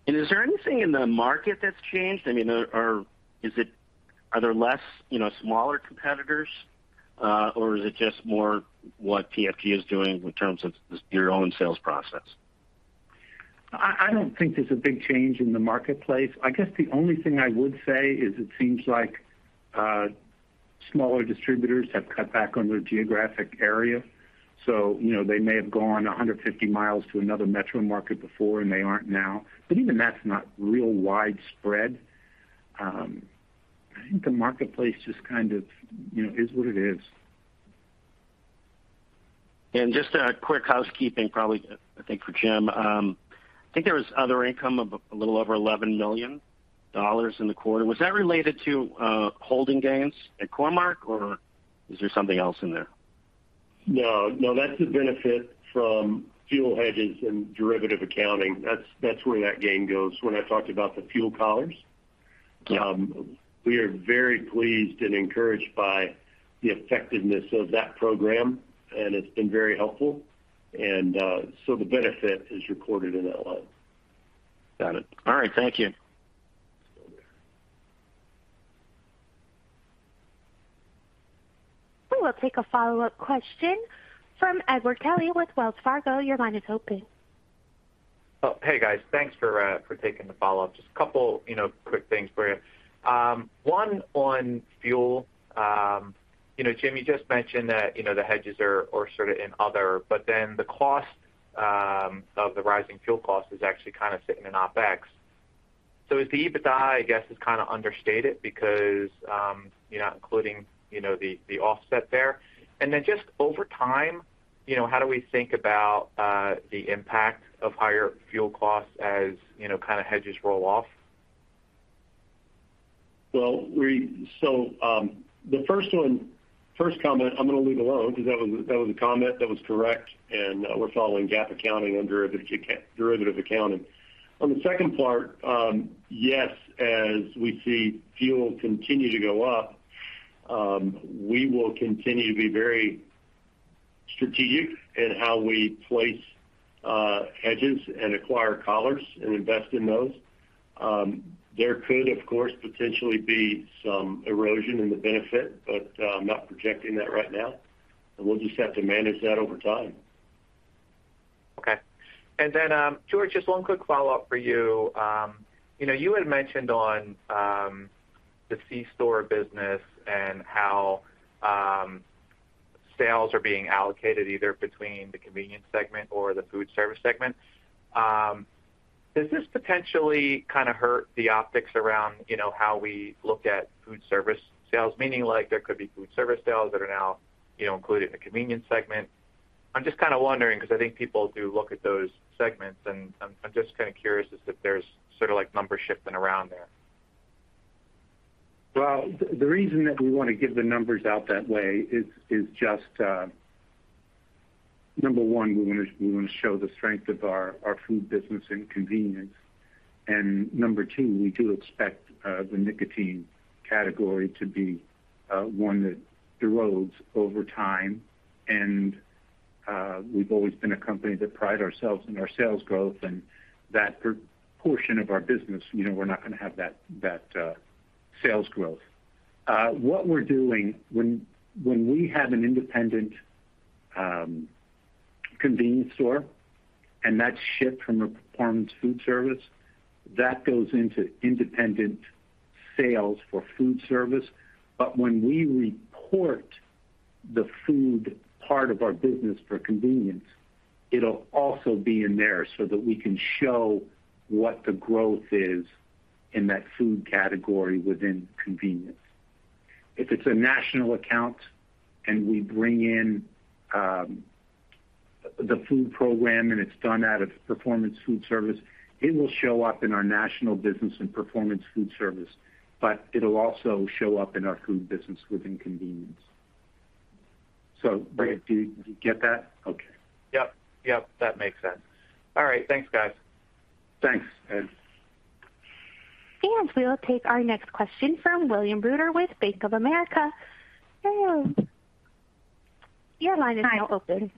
S13: Is there anything in the market that's changed? I mean, is it? Are there less, you know, smaller competitors, or is it just more what PFG is doing in terms of just your own sales process?
S3: I don't think there's a big change in the marketplace. I guess the only thing I would say is it seems like smaller distributors have cut back on their geographic area. You know, they may have gone 150 miles to another metro market before, and they aren't now. But even that's not real widespread. I think the marketplace just kind of, you know, is what it is.
S13: Just a quick housekeeping, probably I think for Jim. I think there was other income of a little over $11 million in the quarter. Was that related to holding gains at Core-Mark, or is there something else in there?
S14: No, no. That's a benefit from fuel hedges and derivative accounting. That's where that gain goes when I talked about the fuel collars. We are very pleased and encouraged by the effectiveness of that program, and it's been very helpful. The benefit is recorded in that line.
S13: Got it. All right, thank you.
S1: We'll take a follow-up question from Edward Kelly with Wells Fargo. Your line is open.
S8: Oh, hey, guys. Thanks for for taking the follow-up. Just a couple, you know, quick things for you. One on fuel. You know, Jim, you just mentioned that, you know, the hedges are sort of in other, but then the cost of the rising fuel cost is actually kinda sitting in OpEx. So is the EBITDA, I guess, is kinda understated because you're not including, you know, the offset there. Then just over time, you know, how do we think about the impact of higher fuel costs as, you know, kinda hedges roll off?
S3: The first comment, I'm gonna leave alone because that was a comment that was correct, and we're following GAAP accounting under derivative accounting. On the second part, yes, as we see fuel continue to go up, we will continue to be very strategic in how we place hedges and acquire collars and invest in those. There could, of course, potentially be some erosion in the benefit, but I'm not projecting that right now, and we'll just have to manage that over time.
S8: Okay. George, just one quick follow-up for you. You know, you had mentioned on the C-Store business and how sales are being allocated either between the convenience segment or the food service segment. Does this potentially kinda hurt the optics around, you know, how we look at food service sales? Meaning, like, there could be food service sales that are now, you know, included in the convenience segment. I'm just kinda wondering because I think people do look at those segments, and I'm just kinda curious if there's sorta like numbers shifting around there.
S3: The reason that we wanna give the numbers out that way is just number one, we wanna show the strength of our food business in convenience. Number two, we do expect the nicotine category to be one that erodes over time. We've always been a company that pride ourselves in our sales growth and that portion of our business, you know, we're not gonna have that sales growth. What we're doing when we have an independent convenience store, and that's shipped from a Performance Foodservice, that goes into independent sales for Foodservice. When we report the food part of our business for convenience, it'll also be in there so that we can show what the growth is in that food category within convenience. If it's a national account and we bring in, the food program and it's done out of Performance Foodservice, it will show up in our national business and Performance Foodservice, but it'll also show up in our food business within convenience. So, do you get that? Okay.
S8: Yep, that makes sense. All right. Thanks, guys.
S3: Thanks, Ed.
S1: We'll take our next question from William Reuter with Bank of America. William, your line is now open.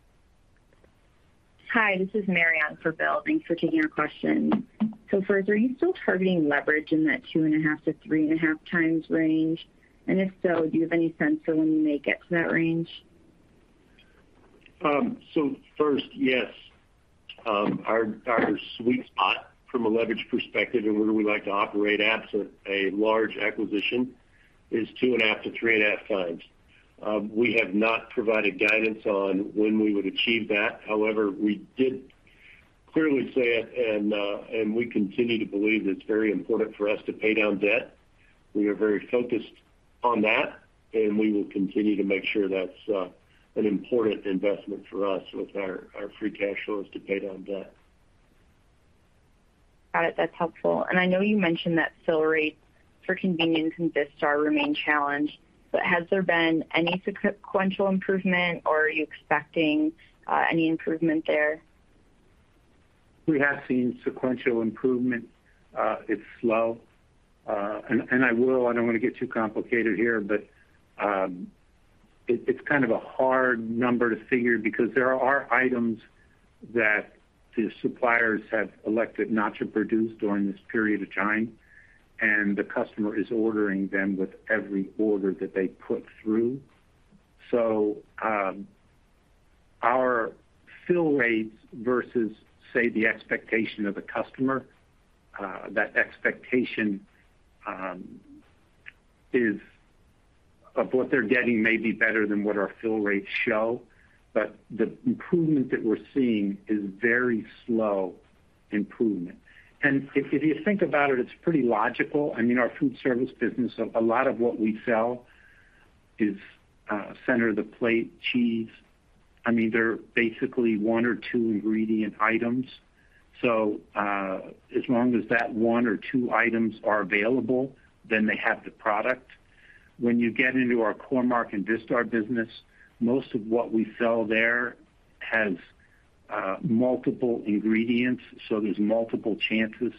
S15: Hi, this is Mary on for Bill. Thanks for taking our question. First, are you still targeting leverage in that 2.5x-3.5x range? If so, do you have any sense for when you may get to that range?
S3: First, yes. Our sweet spot from a leverage perspective and where we like to operate absent a large acquisition is 2.5x-3.5x. We have not provided guidance on when we would achieve that. However, we did clearly say it and we continue to believe that it's very important for us to pay down debt. We are very focused on that, and we will continue to make sure that's an important investment for us with our free cash flows to pay down debt.
S15: Got it. That's helpful. I know you mentioned that fill rates for Convenience and Vistar remain challenged, but has there been any sequential improvement, or are you expecting any improvement there?
S3: We have seen sequential improvement. It's slow. I don't want to get too complicated here, but it's kind of a hard number to figure because there are items that the suppliers have elected not to produce during this period of time, and the customer is ordering them with every order that they put through. Our fill rates versus, say, the expectation of the customer, that expectation is of what they're getting may be better than what our fill rates show. The improvement that we're seeing is very slow improvement. If you think about it's pretty logical. I mean, our foodservice business, a lot of what we sell is center of the plate, cheese. I mean, they're basically one or two ingredient items. As long as that one or two items are available, then they have the product. When you get into our Core-Mark and Vistar business, most of what we sell there has multiple ingredients, so there's multiple chances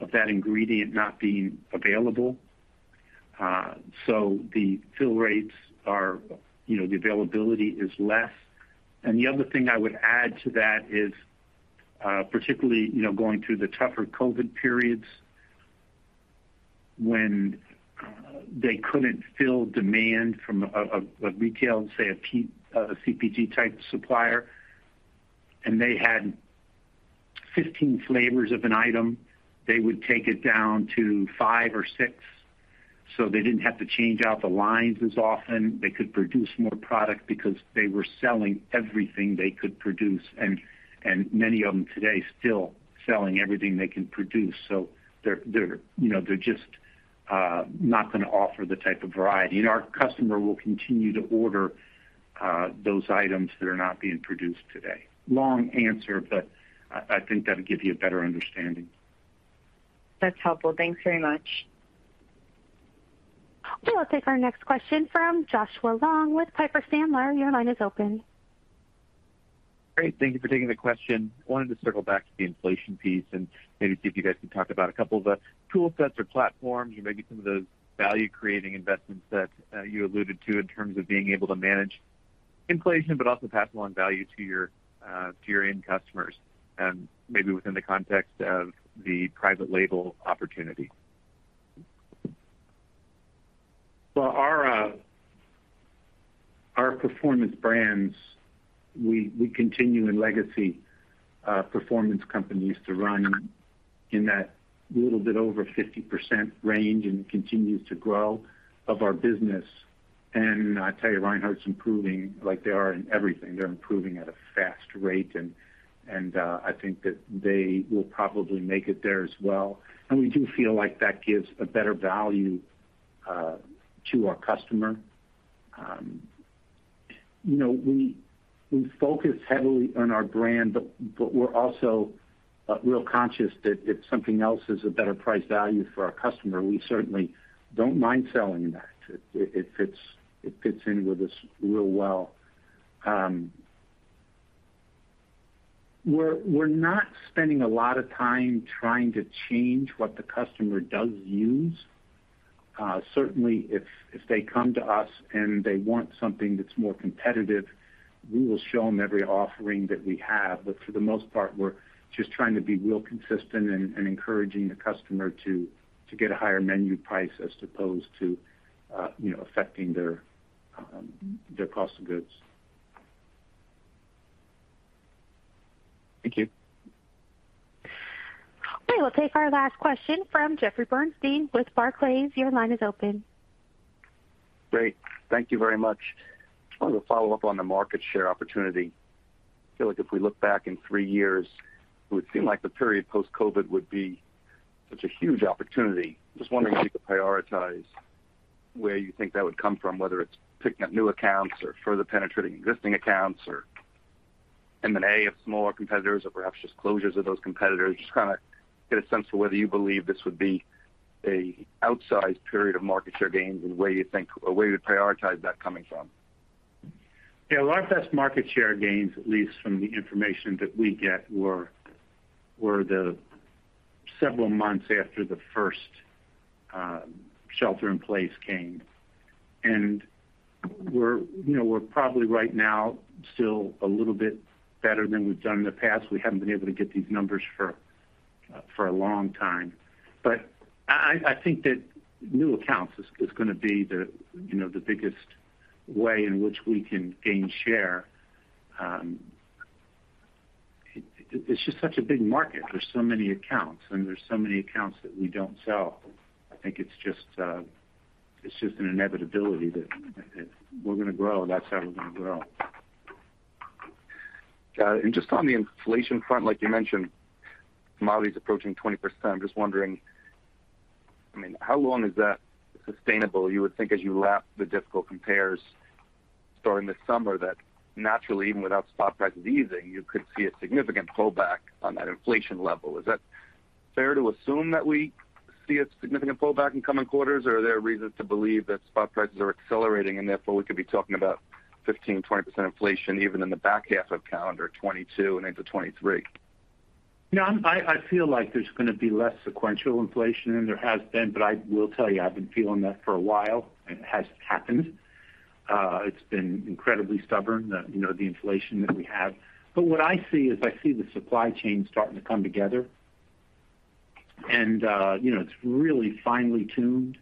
S3: of that ingredient not being available. The fill rates are, you know, the availability is less. The other thing I would add to that is, particularly, you know, going through the tougher COVID periods when they couldn't fill demand from a retail, say, a CPG type supplier, and they had 15 flavors of an item, they would take it down to five or six, so they didn't have to change out the lines as often. They could produce more product because they were selling everything they could produce. Many of them today still selling everything they can produce. They're, you know, they're just not gonna offer the type of variety. Our customer will continue to order those items that are not being produced today. Long answer, but I think that'll give you a better understanding.
S15: That's helpful. Thanks very much.
S1: We'll take our next question from Joshua Long with Piper Sandler. Your line is open.
S16: Great. Thank you for taking the question. Wanted to circle back to the inflation piece and maybe see if you guys can talk about a couple of the tool sets or platforms or maybe some of the value creating investments that you alluded to in terms of being able to manage inflation, but also pass along value to your end customers, and maybe within the context of the private label opportunity?
S3: Well, our Performance Brands, we continue in legacy Performance companies to run in that little bit over 50% range and continues to grow of our business. I tell you, Reinhart's improving like they are in everything. They're improving at a fast rate, and I think that they will probably make it there as well. We do feel like that gives a better value to our customer. You know, we focus heavily on our brand, but we're also real conscious that if something else is a better price value for our customer, we certainly don't mind selling that. It fits in with us real well. We're not spending a lot of time trying to change what the customer does use. Certainly if they come to us and they want something that's more competitive, we will show them every offering that we have. For the most part, we're just trying to be real consistent and encouraging the customer to get a higher menu price as opposed to you know, affecting their cost of goods. Thank you.
S1: We will take our last question from Jeffrey Bernstein with Barclays. Your line is open.
S17: Great. Thank you very much. I wanted to follow up on the market share opportunity. I feel like if we look back in three years, it would seem like the period post-COVID would be such a huge opportunity. Just wondering if you could prioritize where you think that would come from, whether it's picking up new accounts or further penetrating existing accounts or M&A of smaller competitors or perhaps just closures of those competitors. Just kind of get a sense of whether you believe this would be a outsized period of market share gains and or where you prioritize that coming from.
S3: Yeah. Our best market share gains, at least from the information that we get, were the several months after the first shelter in place came. We're you know probably right now still a little bit better than we've done in the past. We haven't been able to get these numbers for a long time. I think that new accounts is gonna be the you know the biggest way in which we can gain share. It's just such a big market. There's so many accounts, and there's so many accounts that we don't sell. I think it's just an inevitability that if we're gonna grow, that's how we're gonna grow.
S17: Just on the inflation front, like you mentioned, commodity is approaching 20%. I'm just wondering, I mean, how long is that sustainable? You would think as you lap the difficult compares starting this summer, that naturally, even without spot prices easing, you could see a significant pullback on that inflation level. Is that fair to assume that we see a significant pullback in coming quarters, or are there reasons to believe that spot prices are accelerating and therefore we could be talking about 15%, 20% inflation even in the back half of calendar 2022 and into 2023?
S3: No, I feel like there's gonna be less sequential inflation than there has been, but I will tell you, I've been feeling that for a while, and it hasn't happened. It's been incredibly stubborn, you know, the inflation that we have. What I see is the supply chain starting to come together. You know, it's really finely tuned,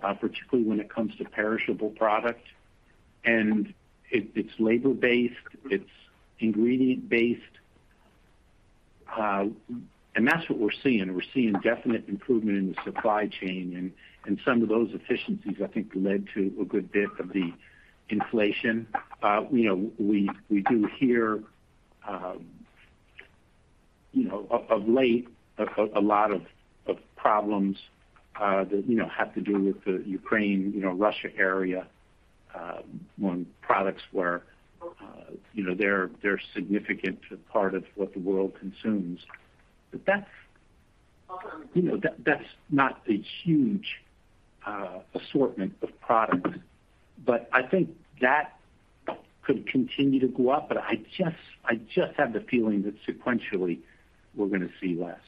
S3: particularly when it comes to perishable product. It's labor-based, it's ingredient-based. That's what we're seeing. We're seeing definite improvement in the supply chain and some of those efficiencies I think led to a good bit of the inflation. You know, we do hear, you know, of late, a lot of problems that you know have to do with the Ukraine, Russia area, on products where you know they're a significant part of what the world consumes. But that's, you know, that's not a huge assortment of products. But I think that could continue to go up, but I just have the feeling that sequentially we're gonna see less.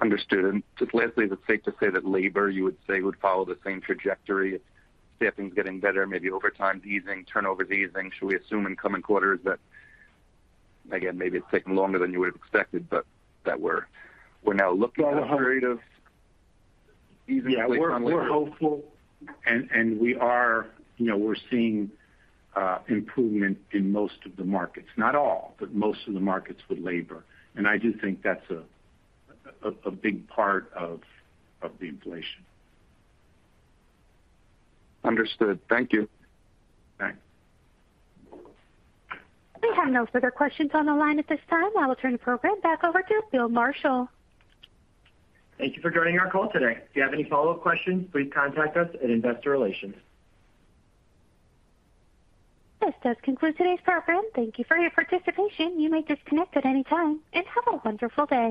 S17: Understood. Just lastly, is it safe to say that labor, you would say, would follow the same trajectory? Staffing's getting better, maybe overtime's easing, turnover's easing. Should we assume in coming quarters that, again, maybe it's taking longer than you would have expected, but that we're now looking at a period of easing?
S3: Yeah. We're hopeful. You know, we're seeing improvement in most of the markets. Not all, but most of the markets with labor. I do think that's a big part of the inflation.
S17: Understood. Thank you.
S3: Thanks.
S1: We have no further questions on the line at this time. I will turn the program back over to Bill Marshall.
S2: Thank you for joining our call today. If you have any follow-up questions, please contact us at Investor Relations.
S1: This does conclude today's program. Thank you for your participation. You may disconnect at any time, and have a wonderful day.